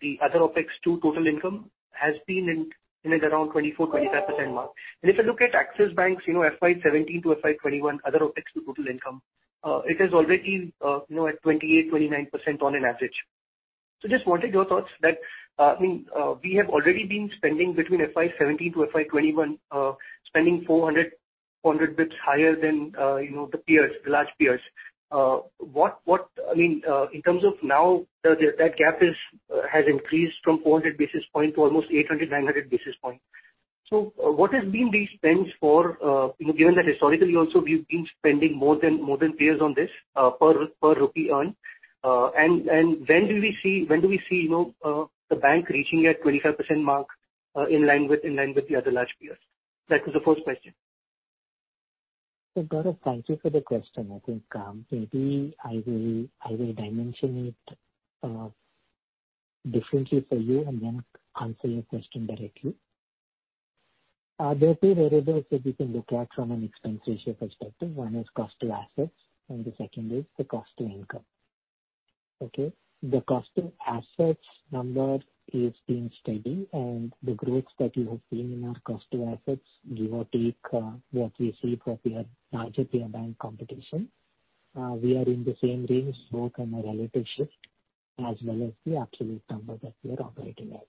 the other OpEx to total income has been in at around 24%-25% mark. If you look at Axis Bank, you know, FY 2017 to FY 2021 other OpEx to total income, it is already, you know, at 28%-29% on an average. Just wanted your thoughts that, I mean, we have already been spending between FY 2017 to FY 2021, spending 400 basis points higher than, you know, the peers, the large peers. What, I mean, in terms of now, the that gap has increased from 400 basis points to almost 800, 900 basis points. What has been these spends for, you know, given that historically also we've been spending more than peers on this, per rupee earn. And when do we see, you know, the bank reaching at 25% mark, in line with the other large peers? That was the first question. Gaurav, thank you for the question. I think, maybe I will dimension it differently for you and then answer your question directly. There are two variables that we can look at from an expense ratio perspective. One is cost to assets, and the second is the cost to income. Okay. The cost to assets number is being steady, and the growth that you have seen in our cost to assets, give or take, what we see from peer, larger peer bank competition, we are in the same range, both on a relative shift as well as the absolute number that we are operating at.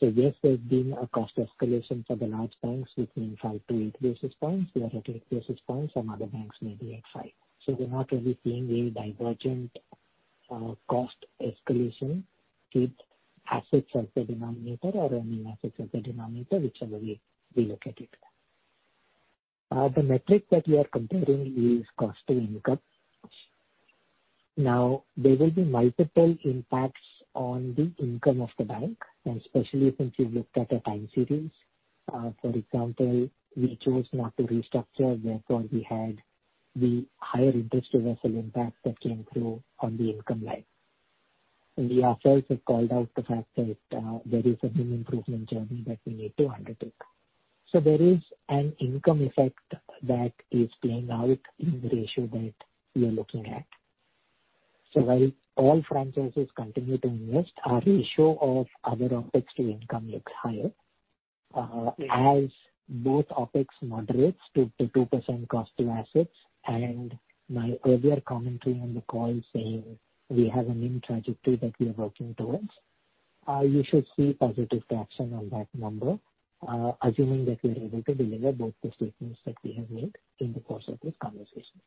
Yes, there's been a cost escalation for the large banks between five to eight basis points. We are at eight basis points. Some other banks may be at five. We're not really seeing any divergent cost escalation with assets as the denominator, whichever way we look at it. The metric that you are comparing is cost to income. Now, there will be multiple impacts on the income of the bank, and especially since you've looked at a time series. For example, we chose not to restructure, therefore we had the higher interest reversal impact that came through on the income line. And we ourselves have called out the fact that there is a new improvement journey that we need to undertake. There is an income effect that is playing out in the ratio that you're looking at. While all franchises continue to invest, our ratio of other OpEx to income looks higher. As both OpEx moderates to the 2% cost to assets, and my earlier commentary on the call saying we have a new trajectory that we are working towards, you should see positive traction on that number, assuming that we are able to deliver both the statements that we have made in the course of this conversation.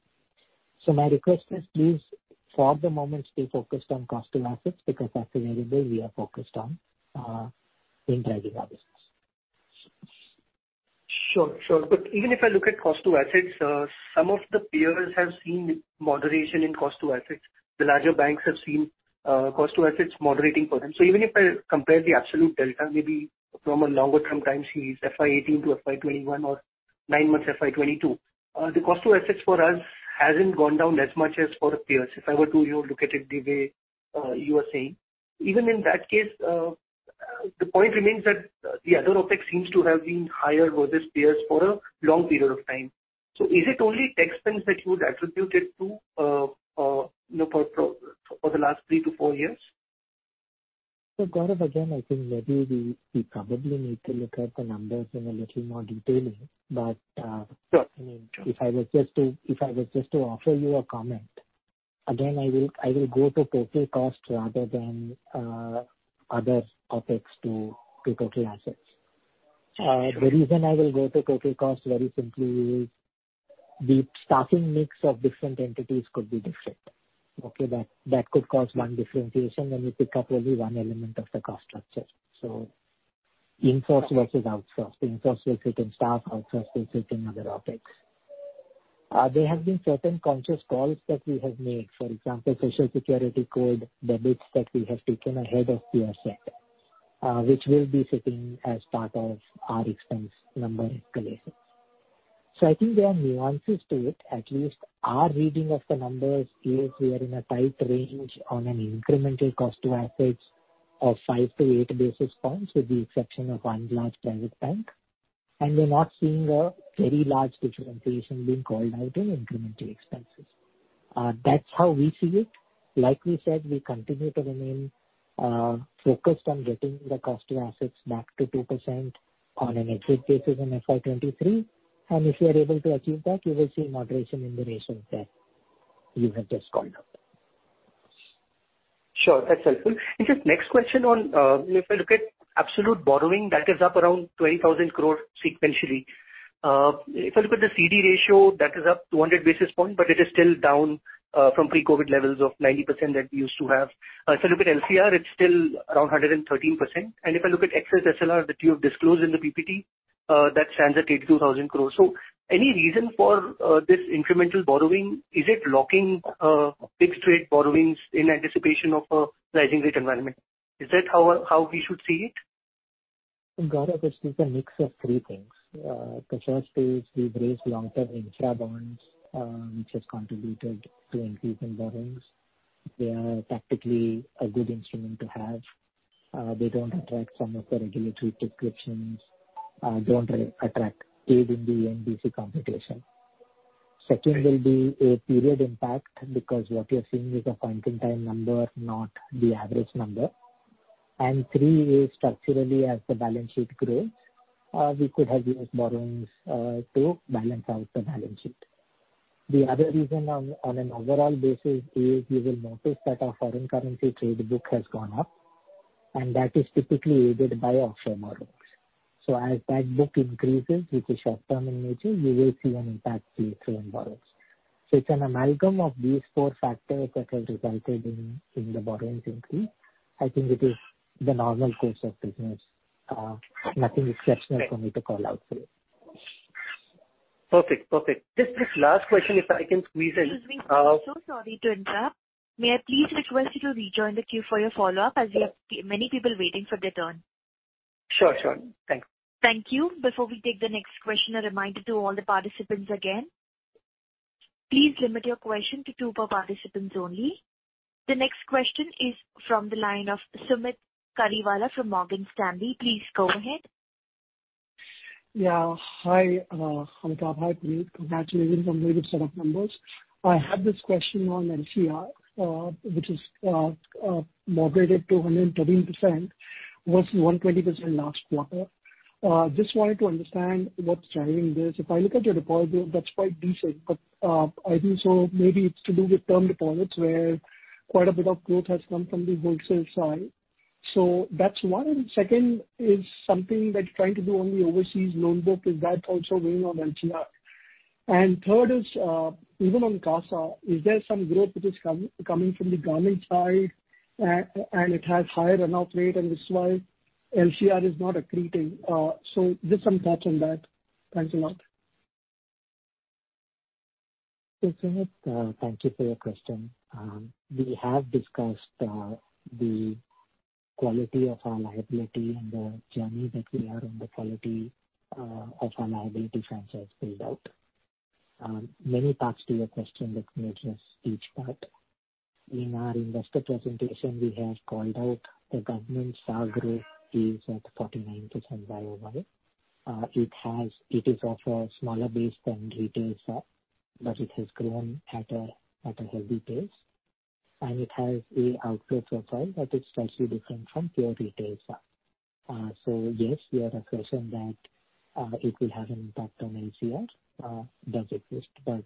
My request is please, for the moment, stay focused on cost to assets, because that's the variable we are focused on in driving our business. Sure, sure. Even if I look at cost to assets, some of the peers have seen moderation in cost to assets. The larger banks have seen cost to assets moderating for them. Even if I compare the absolute delta, maybe from a longer term time series, FY 2018 to FY 2021 or nine months FY 2022, the cost to assets for us hasn't gone down as much as for the peers. If I were to, you know, look at it the way you are saying. Even in that case, the point remains that the other OpEx seems to have been higher versus peers for a long period of time. Is it only tax spends that you would attribute it to, you know, for the last three to four years? Gaurav, again, I think maybe we probably need to look at the numbers in a little more detail. Sure. I mean, if I was just to offer you a comment, again, I will go to total cost rather than other topics to total assets. The reason I will go to total cost very simply is the staffing mix of different entities could be different. Okay. That could cause one differentiation when you pick up only one element of the cost structure. In-source versus outsource. In-source will sit in staff, outsource will sit in other OPEX. There have been certain conscious calls that we have made, for example, Social Security code, the bits that we have taken ahead of peer set, which will be sitting as part of our expense number escalation. I think there are nuances to it. At least our reading of the numbers is we are in a tight range on an incremental cost to assets of five to eight basis points, with the exception of one large private bank, and we're not seeing a very large differentiation being called out in incremental expenses. That's how we see it. Like we said, we continue to remain focused on getting the cost to assets back to 2% on an average basis in FY 2023. If we are able to achieve that, you will see moderation in the ratios that you have just called out. Sure. That's helpful. Just next question on if I look at absolute borrowing, that is up around 20,000 crore sequentially. If I look at the CD ratio, that is up 200 basis points, but it is still down from pre-COVID levels of 90% that we used to have. If I look at LCR, it's still around 113%. If I look at excess SLR that you have disclosed in the PPT, that stands at 82,000 crore. Any reason for this incremental borrowing? Is it locking fixed-rate borrowings in anticipation of a rising rate environment? Is that how we should see it? Gaurav, this is a mix of three things. First is we've raised long-term infra bonds, which has contributed to increase in borrowings. They are tactically a good instrument to have. They don't attract some of the regulatory prescriptions, don't attract a hit in the NSFR computation. Second will be a period impact because what you're seeing is a point-in-time number, not the average number. Three is structurally as the balance sheet grows, we could have used borrowings to balance out the balance sheet. The other reason on an overall basis is you will notice that our foreign currency trade book has gone up, and that is typically aided by offshore borrowings. As that book increases, which is short-term in nature, you will see an impact play through in borrowings. It's an amalgam of these four factors that have resulted in the borrowings increase. I think it is the normal course of business. Nothing exceptional for me to call out for you. Perfect. Perfect. Just this last question, if I can squeeze in. Excuse me. So sorry to interrupt. May I please request you to rejoin the queue for your follow-up, as we have many people waiting for their turn. Sure, sure. Thanks. Thank you. Before we take the next question, a reminder to all the participants again. Please limit your question to two per participants only. The next question is from the line of Sumeet Kariwala from Morgan Stanley. Please go ahead. Yeah. Hi, Amitabh. Hi, Puneet. Congratulations on really good set of numbers. I have this question on LCR, which is moderated to 113% versus 120% last quarter. Just wanted to understand what's driving this. If I look at your deposit, that's quite decent, but I think so maybe it's to do with term deposits where quite a bit of growth has come from the wholesale side. So that's one. Second is something that you're trying to do on the overseas loan book. Is that also weighing on LCR? And third is, even on CASA, is there some growth which is coming from the government side and it has higher runoff rate, and this is why LCR is not accretive. So just some thoughts on that. Thanks a lot. Thank you for your question. We have discussed the quality of our liability and the journey that we are on the quality of our liability franchise build-out. Many parts to your question. Let me address each part. In our investor presentation, we have called out the government SA growth is at 49% YOY. It is of a smaller base than retail SA, but it has grown at a healthy pace, and it has a outflow profile that is slightly different from pure retail SA. Yes, your question that it will have an impact on LCR does exist, but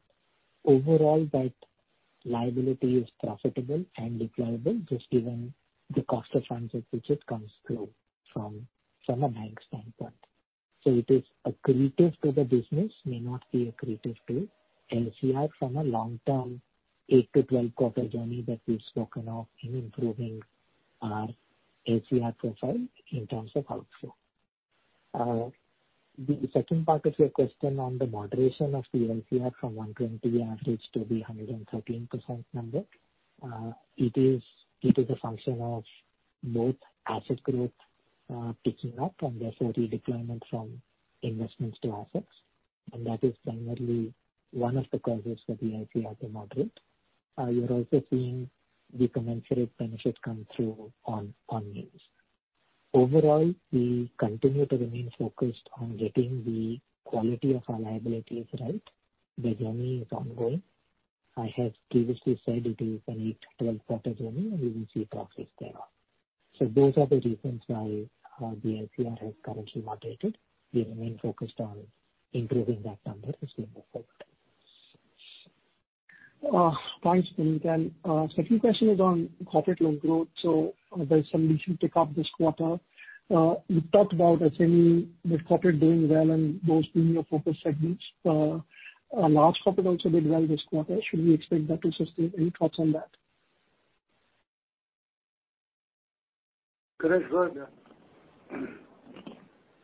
overall that liability is profitable and deployable, just given the cost of funds at which it comes through from a bank standpoint. It is accretive to the business, may not be accretive to LCR from a long-term 8- to 12-quarter journey that we've spoken of in improving our LCR profile in terms of outflow. The second part of your question on the moderation of the LCR from 120 average to the 113% number, it is a function of both asset growth picking up and therefore redeployment from investments to assets. That is primarily one of the causes for the LCR to moderate. You're also seeing the commensurate benefit come through on yields. Overall, we continue to remain focused on getting the quality of our liabilities right. The journey is ongoing. I have previously said it is an 8- to 12-quarter journey, and we will see progress thereof. Those are the reasons why the LCR has currently moderated. We remain focused on improving that number as we move forward. Thanks, Puneet. Second question is on corporate loan growth. There's some recent pickup this quarter. You talked about SME, the corporate doing well and those being your focus segments. Large corporate also did well this quarter. Should we expect that to sustain? Any thoughts on that? Ganesh, go ahead.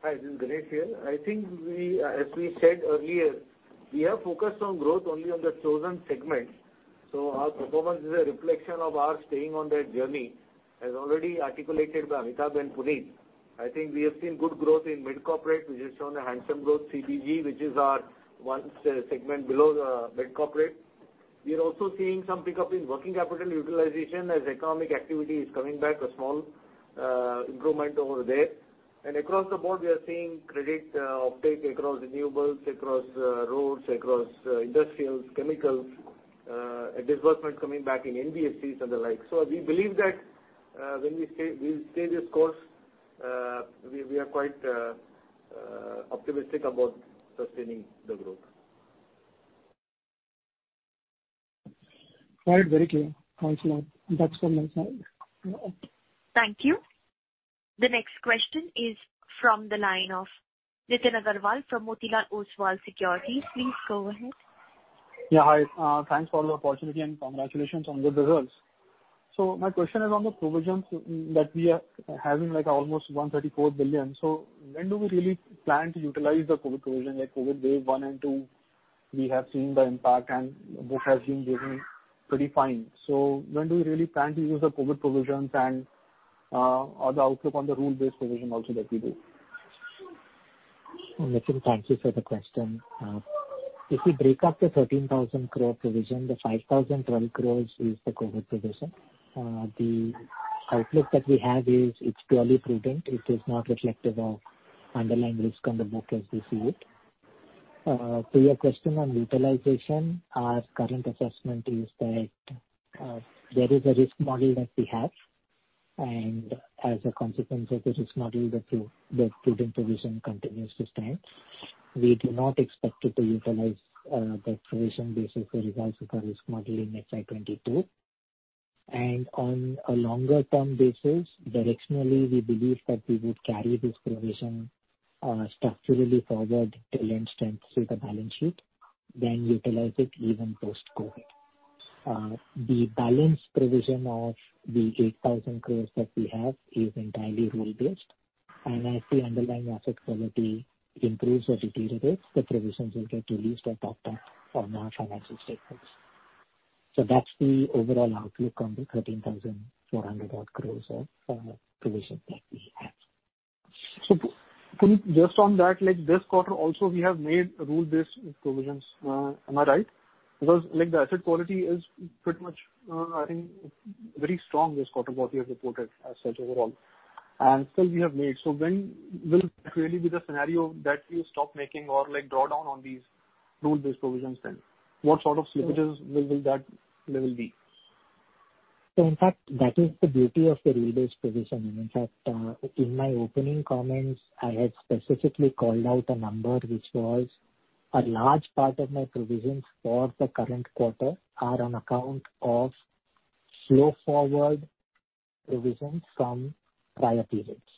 Hi, this is Ganesh here. I think we, as we said earlier, are focused on growth only on the chosen segments, so our performance is a reflection of our staying on that journey, as already articulated by Amitabh and Puneet. I think we have seen good growth in mid-corporate. We just shown a handsome growth CBG, which is our one segment below the mid-corporate. We are also seeing some pickup in working capital utilization as economic activity is coming back, a small improvement over there. Across the board we are seeing credit uptake across renewables, across roads, across industrials, chemicals, disbursements coming back in NBFCs and the like. We believe that, when we stay this course, we are quite optimistic about sustaining the growth. Got it. Very clear. Thanks a lot. That's from my side. Okay. Thank you. The next question is from the line of Nitin Aggarwal from Motilal Oswal Securities. Please go ahead. Yeah, hi. Thanks for the opportunity, and congratulations on good results. My question is on the provisions that we are having, like, almost 134 billion. When do we really plan to utilize the COVID provision? Like COVID wave one and two, we have seen the impact and book has been doing pretty fine. When do we really plan to use the COVID provisions and or the outlook on the rule-based provision also that we do? Nitin, thank you for the question. If you break up the 13,000 crore provision, the 5,012 crore is the COVID provision. The outlook that we have is it's purely prudent. It is not reflective of underlying risk on the book as we see it. To your question on utilization, our current assessment is that there is a risk model that we have, and as a consequence of the risk model, the prudent provision continues to stand. We do not expect it to utilize that provision basis the results of our risk model in FY 2022. On a longer term basis, directionally, we believe that we would carry this provision structurally forward till it strengthens the balance sheet, then utilize it even post-COVID. The balance provision of the 8,000 crore that we have is entirely rule-based. As the underlying asset quality improves or deteriorates, the provisions will get released or topped up on our financial statements. That's the overall outlook on the 13,400-odd crores of provision that we have. Puneet, just on that, like, this quarter also we have made rule-based provisions. Am I right? Because, like, the asset quality is pretty much, I think very strong this quarter, what we have reported as such overall. Still we have made. When will really be the scenario that you stop making or, like, draw down on these rule-based provisions then? What sort of slippages will that level be? In fact that is the beauty of the rule-based provision. In fact, in my opening comments, I had specifically called out a number which was a large part of my provisions for the current quarter are on account of flow forward provisions from prior periods.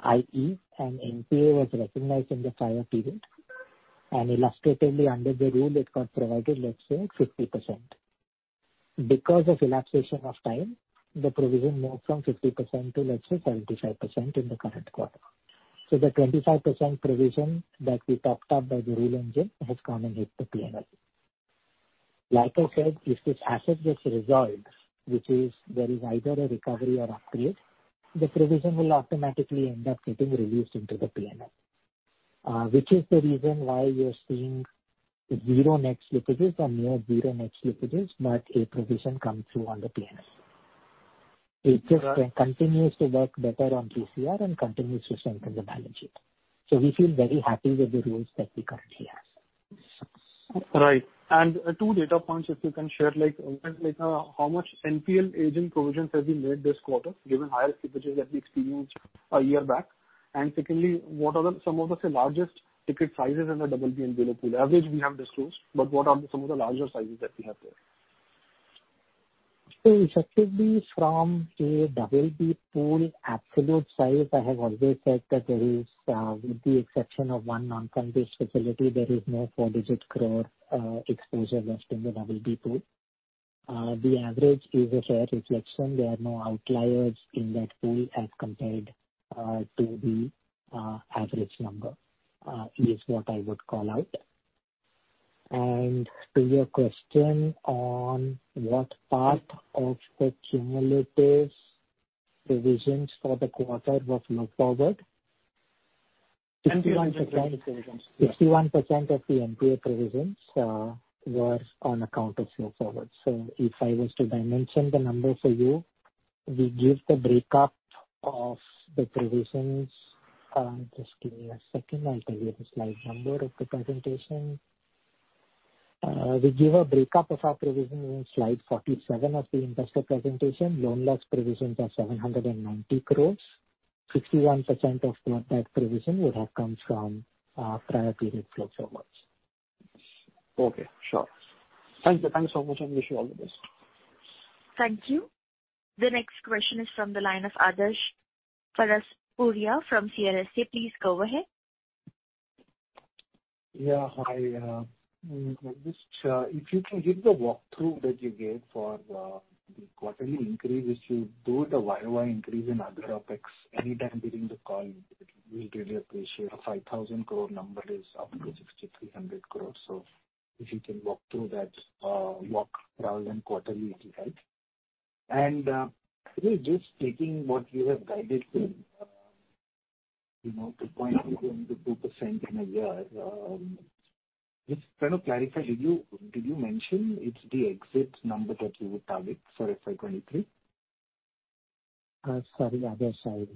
i.e., an NPA was recognized in the prior period, and illustratively under the rule it got provided, let's say 50%. Because of lapse of time, the provision moved from 50% to let's say 75% in the current quarter. The 25% provision that we topped up by the rule engine has come and hit the P&L. Like I said, if this asset gets resolved, which is there is either a recovery or upgrade, the provision will automatically end up getting released into the P&L, which is the reason why you're seeing zero net slippages or near zero net slippages, but a provision come through on the P&L. It just continues to work better on TCR and continues to strengthen the balance sheet. We feel very happy with the rules that we currently have. Right. Two data points if you can share, like, how much NPL aging provisions have you made this quarter, given higher slippages that we experienced a year back? Secondly, what are some of the, say, largest ticket sizes in the BB and below pool? Average we have disclosed, but what are some of the larger sizes that we have there? Effectively from a BB pool absolute size, I have always said that there is, with the exception of one non-fund based facility, there is no four-digit crore exposure left in the BB pool. The average is a fair reflection. There are no outliers in that pool as compared to the average number is what I would call out. To your question on what part of the cumulative provisions for the quarter was flow forward, 61% of the NPA provisions were on account of look-forward. If I was to dimension the number for you, we give the break up of the provisions. Just give me a second. I'll tell you the slide number of the presentation. We give a break up of our provisions in slide 47 of the investor presentation. Loan loss provisions are 790 crore. 61% of that provision would have come from prior period look-forwards. Okay. Sure. Thank you. Thanks so much, and wish you all the best. Thank you. The next question is from the line of Adarsh Parasrampuria from CLSA. Please go ahead. Yeah, hi. Just if you can give the walkthrough that you gave for the quarterly increase, the YoY increase in other OpEx any time during the call, we'll really appreciate. A 5,000 crore number is up to 6,300 crores. So if you can walk through that rather than quarterly, it'll help. Actually just taking what you have guided to, you know, to 0.2% in a year, just trying to clarify, did you mention it's the exit number that you would target for FY 2023? Sorry, Adarsh, I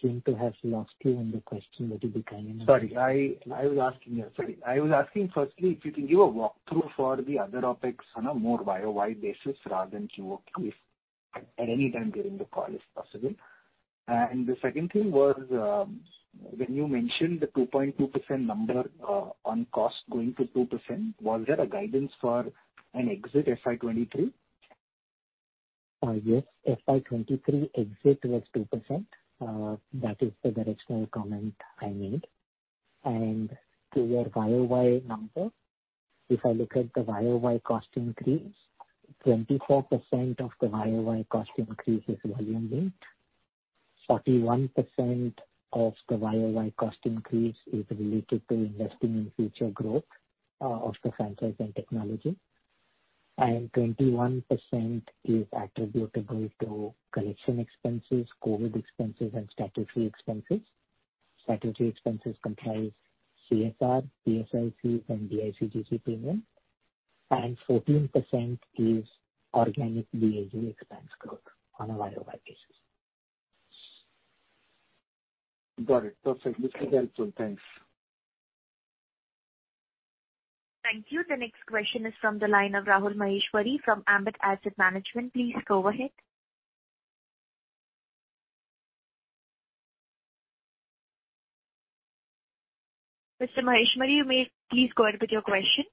seem to have lost you on the question that you were trying to. I was asking firstly if you can give a walkthrough for the other OpEx on a more YoY basis rather than QoQ at any time during the call if possible. The second thing was, when you mentioned the 2.2% number, on cost going to 2%, was there a guidance for an exit FY 2023? Yes. FY 2023 exit was 2%. That is the directional comment I made. To your YOY number, if I look at the YOY cost increase, 24% of the YOY cost increase is volume-based. 41% of the YOY cost increase is related to investing in future growth, of the franchise and technology. 21% is attributable to collection expenses, COVID expenses, and statutory expenses. Statutory expenses comprise CSR, PSLC and DICGC premium. 14% is organic BAU expense growth on a YOY basis. Got it. Perfect. This is helpful. Thanks. Thank you. The next question is from the line of Rahul Maheshwari from Ambit Asset Management. Please go ahead. Mr. Maheshwari, you may please go ahead with your question.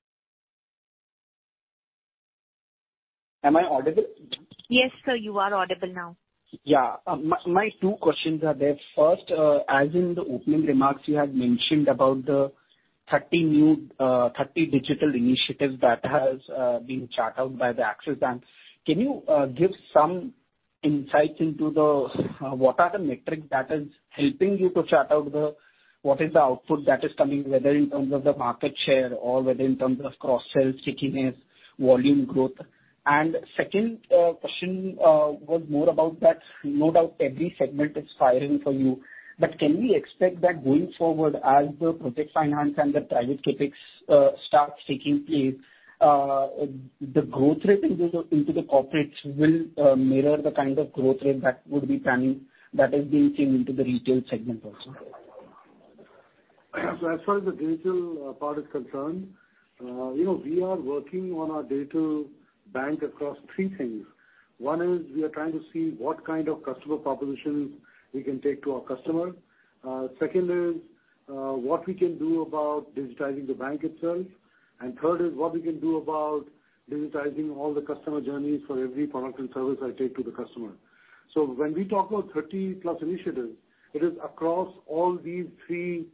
Am I audible? Yes, sir. You are audible now. My two questions are there. First, as in the opening remarks you had mentioned about the 30 new digital initiatives that has been charted out by the Axis Bank, can you give some insights into the what are the metrics that is helping you to chart out the what is the output that is coming, whether in terms of the market share or whether in terms of cross-sell stickiness, volume growth? Second, question was more about that no doubt every segment is firing for you, but can we expect that going forward as the project finance and the private CapEx starts taking place, the growth rate into the corporates will mirror the kind of growth rate that would be planning that is being seen into the retail segment also? As far as the digital part is concerned, you know, we are working on our digital bank across three things. One is we are trying to see what kind of customer propositions we can take to our customer. Second is, what we can do about digitizing the bank itself. And third is what we can do about digitizing all the customer journeys for every product and service I take to the customer. When we talk about 30+ initiatives, it is across all these three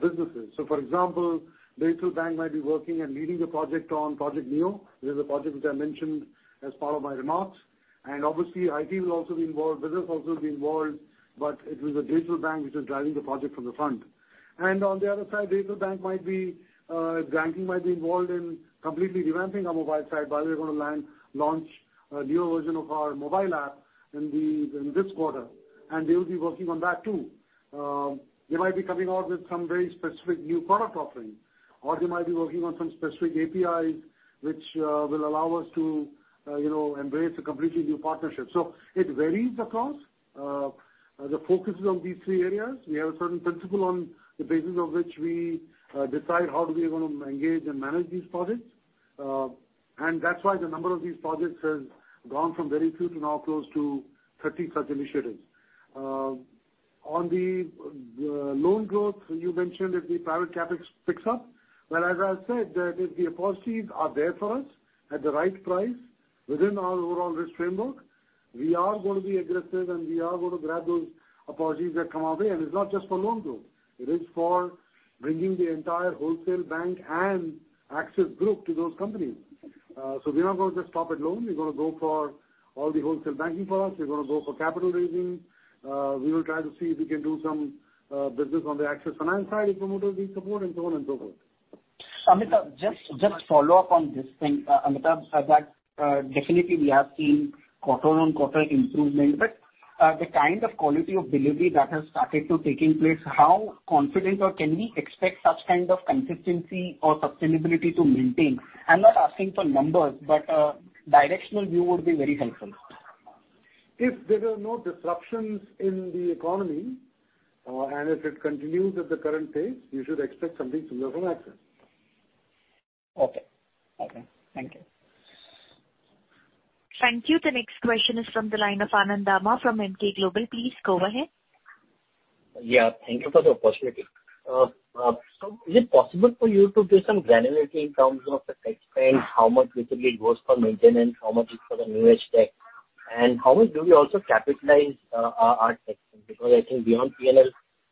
businesses. For example, digital bank might be working and leading the project on Project NEO. This is a project which I mentioned as part of my remarks, and obviously, IT will also be involved, business also will be involved, but it is a digital bank which is driving the project from the front. On the other side, banking might be involved in completely revamping our mobile site. By the way, we're gonna launch a new version of our mobile app in this quarter, and they will be working on that too. They might be coming out with some very specific new product offering, or they might be working on some specific APIs which will allow us to you know, embrace a completely new partnership. It varies across the focuses of these three areas. We have a certain principle on the basis of which we decide how do we wanna engage and manage these projects, and that's why the number of these projects has gone from very few to now close to 30 such initiatives. On the loan growth, you mentioned if the private CapEx picks up. Well, as I said, that if the opportunities are there for us at the right price within our overall risk framework, we are gonna be aggressive, and we are gonna grab those opportunities that come our way. It's not just for loan growth, it is for bringing the entire wholesale bank and Axis Group to those companies. So we are not going to stop at loan. We're gonna go for all the wholesale banking products. We're gonna go for capital raising. We will try to see if we can do some business on the Axis Finance side if promoters need support and so on and so forth. Amitabh, just follow up on this thing, Amitabh, definitely we have seen quarter-on-quarter improvement. The kind of quality of delivery that has started taking place, how confident or can we expect such kind of consistency or sustainability to maintain? I'm not asking for numbers, but a directional view would be very helpful. If there are no disruptions in the economy, and if it continues at the current pace, you should expect something similar from Axis. Okay. Thank you. Thank you. The next question is from the line of Anand Dama from Emkay Global. Please go ahead. Yeah, thank you for the opportunity. Is it possible for you to give some granularity in terms of the tech spend? How much usually goes for maintenance, how much is for the new age tech, and how much do you also capitalize our tech spend? Because I think beyond P&L,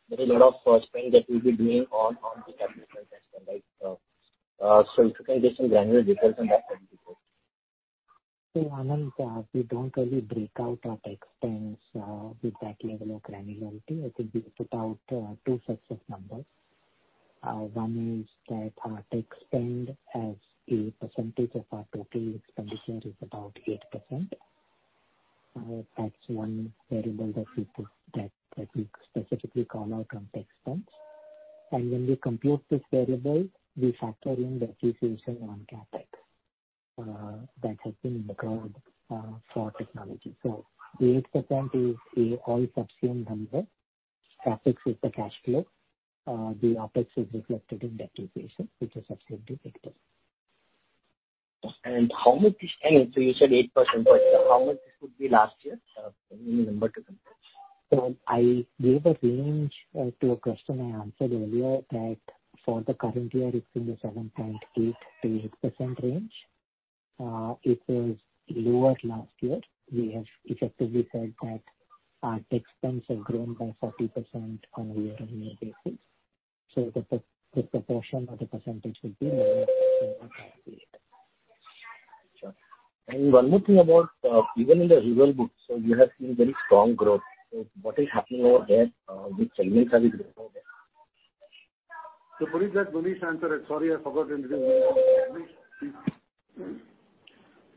there is a lot of CapEx spend that you'll be doing on the capital tech spend, right? If you can give some granular details on that front. Anand, we don't really break out our tech spends with that level of granularity. I think we put out two sets of numbers. One is that our tech spend as a percentage of our total expenditure is about 8%. That's one variable that we specifically call out from tech spends. When we compute this variable, we factor in the depreciation on CapEx that has been incurred for technology. The 8% is the all subsumed number. CapEx is the cash flow. The OpEx is reflected in depreciation, which is subsequently picked up. You said 8%. How much this would be last year, in number to compare? I gave a range to a question I answered earlier that for the current year it's in the 7.8%-8% range. It was lower last year. We have effectively said that our tech spends have grown by 40% on a year-on-year basis. The proportion or the percentage would be 9% or 8%. Sure. One more thing about even in the rural books, we have seen very strong growth. What is happening over there? Which segments are we growing over there? Puneet, let Munish answer it. Sorry, I forgot. This is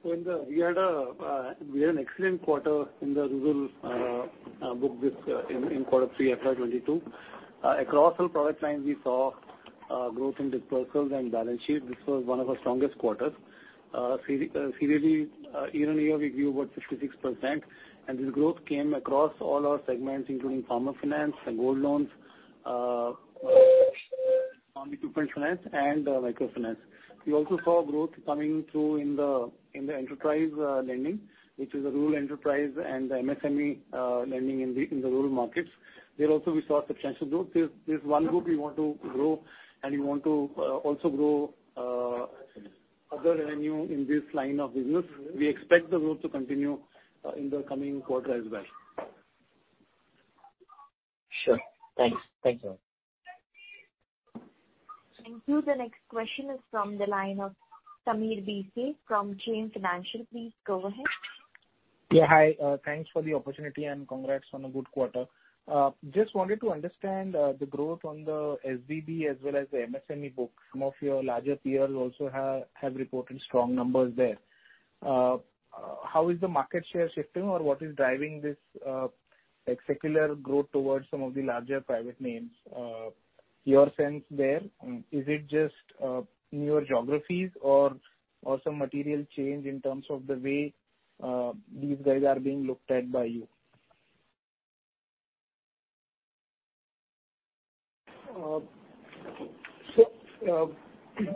Munish. We had an excellent quarter in the rural book in quarter three FY 2022. Across all product lines we saw growth in disbursals and balance sheet. This was one of our strongest quarters. Seriously, year-on-year, we grew about 56%, and this growth came across all our segments, including farmer finance and gold loans, farm equipment finance and microfinance. We also saw growth coming through in the enterprise lending, which is a rural enterprise and the MSME lending in the rural markets. There also we saw substantial growth. There's one group we want to grow, and we want to also grow other revenue in this line of business. We expect the growth to continue in the coming quarter as well. Sure. Thanks. Thank you. Thank you. The next question is from the line of Sameer Bhise from Edelweiss Financial. Please go ahead. Yeah. Hi. Thanks for the opportunity, and congrats on a good quarter. Just wanted to understand the growth on the SBB as well as the MSME books. Some of your larger peers also have reported strong numbers there. How is the market share shifting or what is driving this, like, secular growth towards some of the larger private names? Your sense there, is it just newer geographies or some material change in terms of the way these guys are being looked at by you?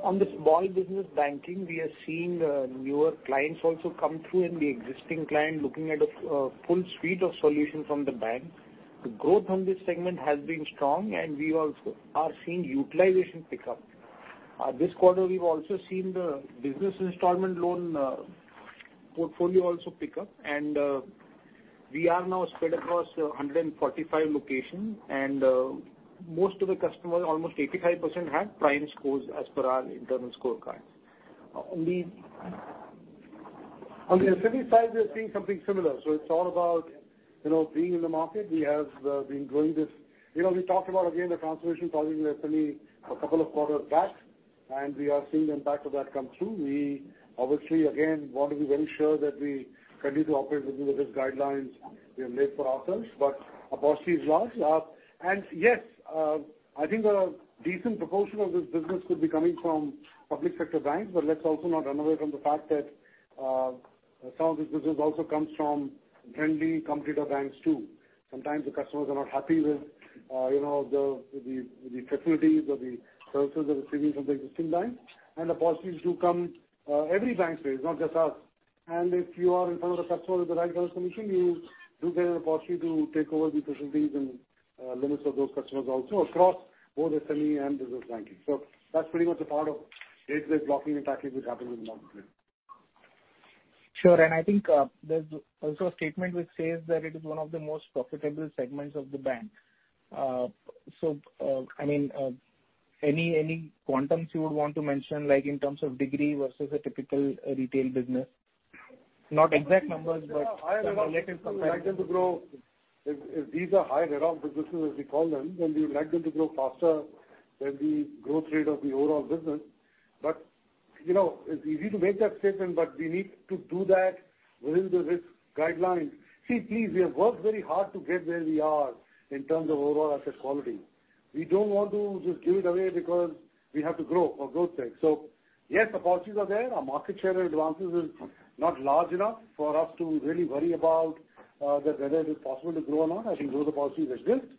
On the small business banking, we are seeing newer clients also come through and the existing client looking at a full suite of solutions from the bank. The growth on this segment has been strong, and we also are seeing utilization pick up. This quarter we've also seen the business installment loan portfolio also pick up, and we are now spread across 145 locations, and most of the customers, almost 85%, have prime scores as per our internal scorecard. On the SME side, we are seeing something similar. It's all about, you know, being in the market. We have been growing this. You know, we talked about, again, the transformation project with SME a couple of quarters back, and we are seeing the impact of that come through. We obviously, again, want to be very sure that we continue to operate within the risk guidelines we have made for ourselves, but opportunities lost. Yes, I think a decent proportion of this business could be coming from public sector banks. Let's also not run away from the fact that some of this business also comes from friendly competitor banks too. Sometimes the customers are not happy with, you know, the facilities or the services they're receiving from the existing banks, and the policy is to come every bank says, not just us. If you are in front of the customer with the right transformation, you do get an opportunity to take over the facilities and limits of those customers also across both SME and business banking. That's pretty much a part of day-to-day blocking and tackling which happens in the multiple bank. Sure. I think there's also a statement which says that it is one of the most profitable segments of the bank. I mean, any quantums you would want to mention, like in terms of degree versus a typical retail business? Not exact numbers, but- These are high runoff businesses, as we call them, and we would like them to grow faster than the growth rate of the overall business. You know, it's easy to make that statement, but we need to do that within the risk guidelines. See, please, we have worked very hard to get where we are in terms of overall asset quality. We don't want to just give it away because we have to grow for growth's sake. Yes, the policies are there. Our market share advances is not large enough for us to really worry about whether it is possible to grow or not. I think those are the policies that exist.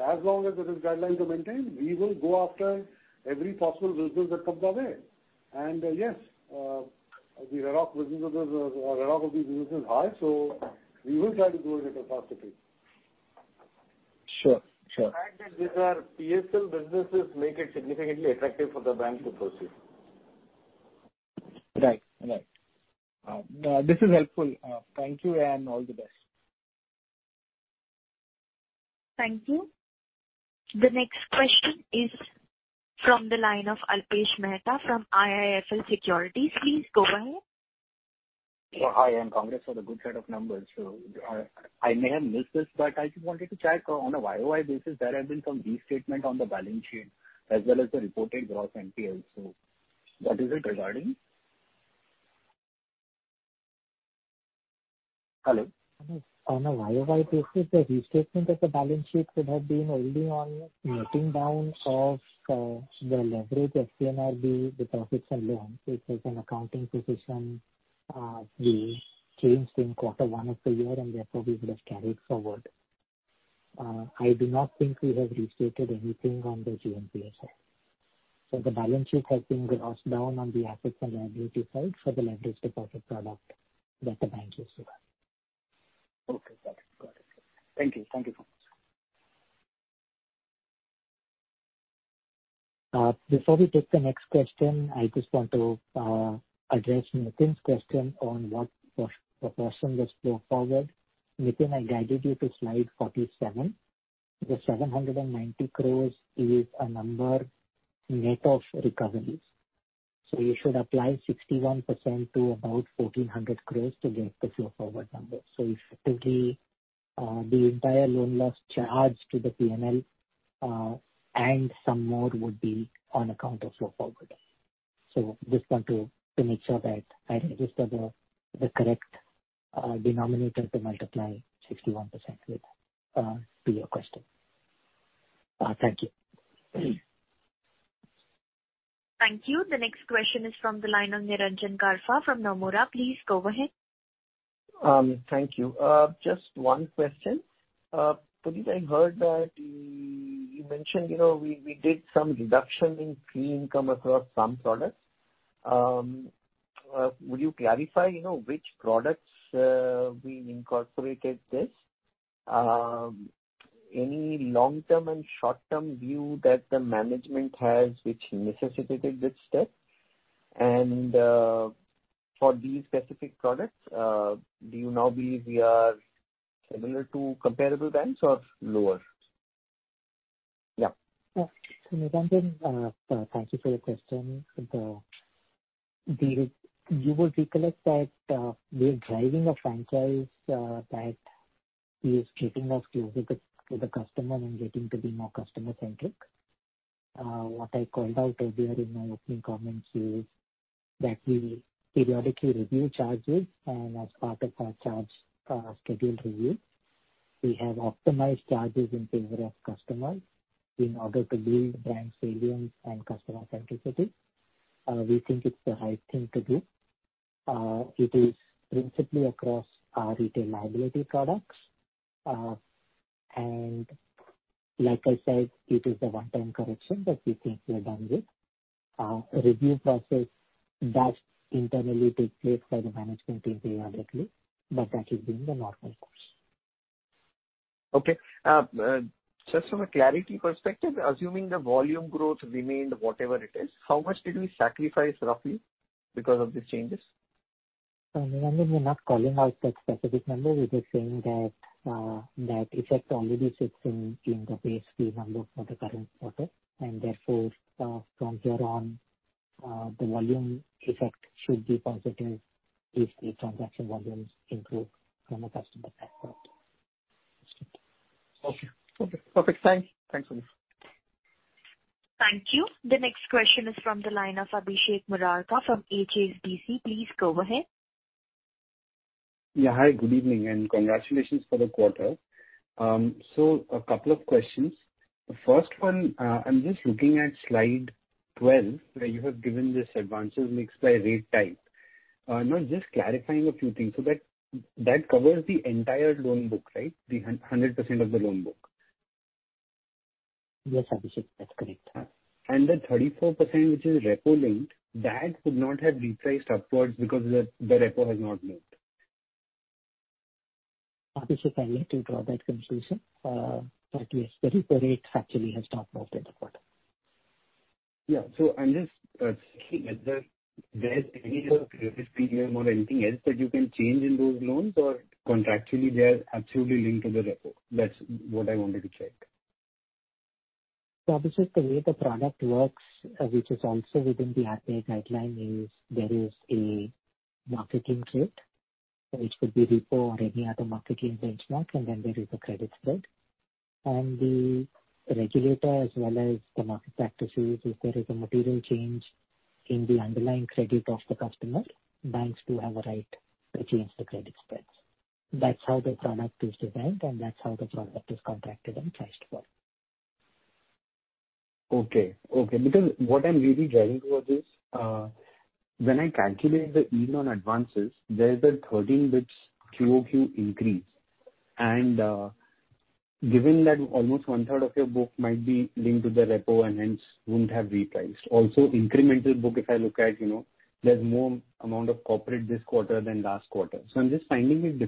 As long as the risk guidelines are maintained, we will go after every possible business that comes our way. The runoff of these business is high, so we will try to grow it at a faster pace. Sure. Sure. The fact that these are PSL businesses make it significantly attractive for the bank to proceed. Right. This is helpful. Thank you, and all the best. Thank you. The next question is from the line of Alpesh Mehta from IIFL Securities. Please go ahead. Hi, and congrats on the good set of numbers. I may have missed this, but I just wanted to check on a YOY basis, there have been some restatement on the balance sheet as well as the reported gross NPL. What is it regarding? Hello? On a YOY basis, the restatement of the balance sheet would have been only on netting down of the leverage FCNRB deposits and loans. It is an accounting decision, we changed in quarter one of the year, and therefore we would have carried forward. I do not think we have restated anything on the GNPA. The balance sheet has been grossed down on the assets and liability side for the leveraged deposit product that the bank used to have. Okay. Got it. Thank you so much. Before we take the next question, I just want to address Nitin's question on what proportion was flow forward. Nitin, I guided you to slide 47. The 790 crores is a number net of recoveries. You should apply 61% to about 1,400 crores to get the flow forward number. Effectively, the entire loan loss charged to the P&L, and some more would be on account of flow forward. Just want to make sure that I register the correct denominator to multiply 61% with, to your question. Thank you. Thank you. The next question is from the line of Nilanjan Karfa from Nomura. Please go ahead. Thank you. Just one question. Puneet, I heard that you mentioned, you know, we did some reduction in fee income across some products. Would you clarify, you know, which products we incorporated this? Any long-term and short-term view that the management has which necessitated this step? For these specific products, do you now believe we are similar to comparable banks or lower? Yeah. Nilanjan, thank you for your question. You would recollect that we are driving a franchise that is getting us closer to the customer and getting to be more customer-centric. What I called out earlier in my opening comments is that we periodically review charges, and as part of our charges scheduled review, we have optimized charges in favor of customers in order to build brand salience and customer centricity. We think it's the right thing to do. It is principally across our retail liability products. Like I said, it is a one-time correction that we think we are done with. A review process does internally take place by the management team periodically, but that is during the normal course. Okay. Just from a clarity perspective, assuming the volume growth remained whatever it is, how much did we sacrifice roughly because of these changes? We're not calling out that specific number. We're just saying that that effect already sits in the base fee number for the current quarter. Therefore, from here on, the volume effect should be positive if the transaction volumes improve from a customer standpoint. Okay. Perfect. Thanks, Puneet. Thank you. The next question is from the line of Abhishek Murarka from HSBC. Please go ahead. Yeah. Hi, good evening, and congratulations for the quarter. A couple of questions. The first one, I'm just looking at slide 12, where you have given this advances mix by rate type. Now just clarifying a few things. That covers the entire loan book, right? 100% of the loan book. Yes, Abhishek, that's correct. The 34% which is repo linked could not have repriced upwards because the repo has not moved. Abhishek, I'll let you draw that conclusion. Yes, the repo rate actually has not moved in the quarter. Yeah. I'm just checking if there is any sort of period PM or anything else that you can change in those loans or contractually they are absolutely linked to the repo. That's what I wanted to check. Abhishek, the way the product works, which is also within the API guideline, is there is a market rate which could be repo or any other market benchmark, and then there is a credit spread. The regulator as well as the market practices, if there is a material change in the underlying credit of the customer, banks do have a right to change the credit spreads. That's how the product is designed, and that's how the product is contracted and priced for. Okay. Because what I'm really getting towards is, when I calculate the yield on advances, there is a 13 basis points quarter-over-quarter increase. Given that almost one-third of your book might be linked to the repo and hence wouldn't have repriced. Also, incremental book, if I look at, you know, there's more amount of corporate this quarter than last quarter. I'm just finding it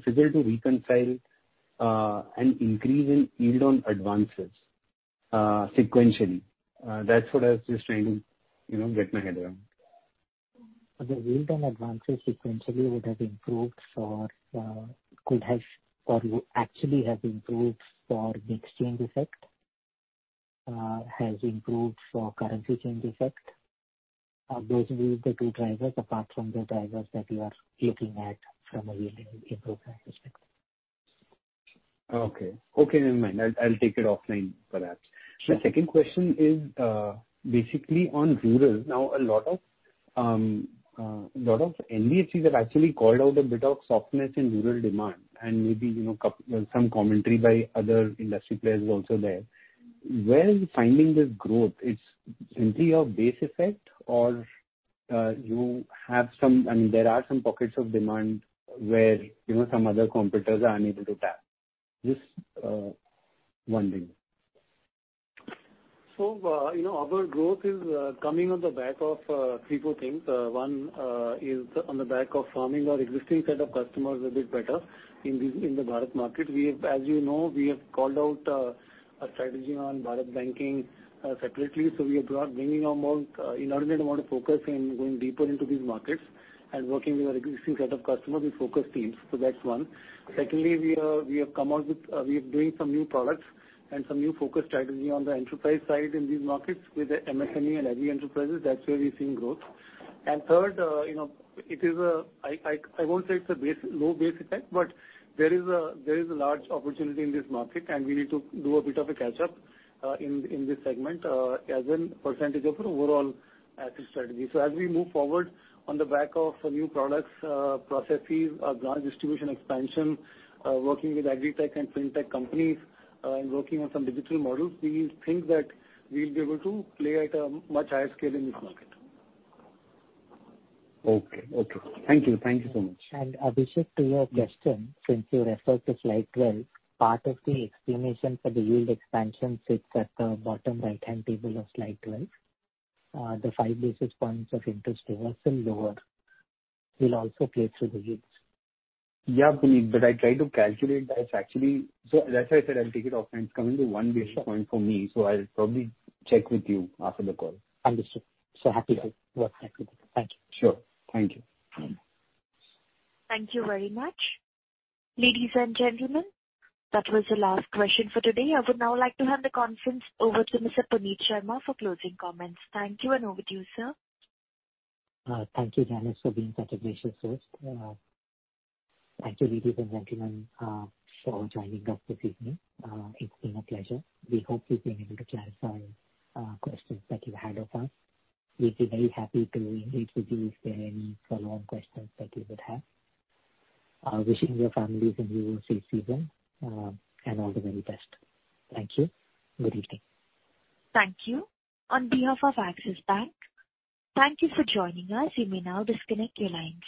difficult to reconcile an increase in yield on advances sequentially. That's what I was just trying to, you know, get my head around. The yield on advances sequentially could have or actually have improved for the exchange effect, has improved for currency change effect. Those will be the two drivers, apart from the drivers that you are looking at from a yield improvement perspective. Okay, never mind. I'll take it offline perhaps. Sure. My second question is basically on rural. Now, a lot of NBFCs have actually called out a bit of softness in rural demand and maybe, you know, some commentary by other industry players is also there. Where are you finding this growth? It's simply a base effect or you have some. I mean, there are some pockets of demand where, you know, some other competitors are unable to tap. Just wondering. You know, our growth is coming on the back of three, four things. One is on the back of farming our existing set of customers a bit better in this, in the Bharat market. We've, as you know, we have called out a strategy on Bharat Banking separately. We are bringing on more inordinate amount of focus in going deeper into these markets and working with our existing set of customers with focus teams. That's one. Secondly, we are, we have come out with, we are building some new products and some new focus strategy on the enterprise side in these markets with the MSME and agri enterprises. That's where we're seeing growth. Third, you know, it is a low base effect, but there is a large opportunity in this market, and we need to do a bit of a catch-up in this segment as in percentage of our overall asset strategy. As we move forward on the back of some new products, processes, branch distribution expansion, working with agri tech and fintech companies, and working on some digital models, we think that we'll be able to play at a much higher scale in this market. Okay. Thank you so much. Abhishek, to your question, since you referred to slide 12, part of the explanation for the yield expansion sits at the bottom right-hand table of slide 12. The five basis points of interest reversal lower will also play through the yields. Yeah, Puneet, but I tried to calculate that actually. That's why I said I'll take it offline. It's coming to one basis point for me, so I'll probably check with you after the call. Understood. Happy to work. Thank you. Sure. Thank you. Thank you very much. Ladies and gentlemen, that was the last question for today. I would now like to hand the conference over to Mr. Puneet Sharma for closing comments. Thank you and over to you, sir. Thank you, Janice, for being such a gracious host. Thank you, ladies and gentlemen, for joining us this evening. It's been a pleasure. We hope we've been able to clarify questions that you had of us. We'd be very happy to engage with you if there are any follow-on questions that you would have. Wishing your families a New Year safe season and all the very best. Thank you. Good evening. Thank you. On behalf of Axis Bank, thank you for joining us. You may now disconnect your lines.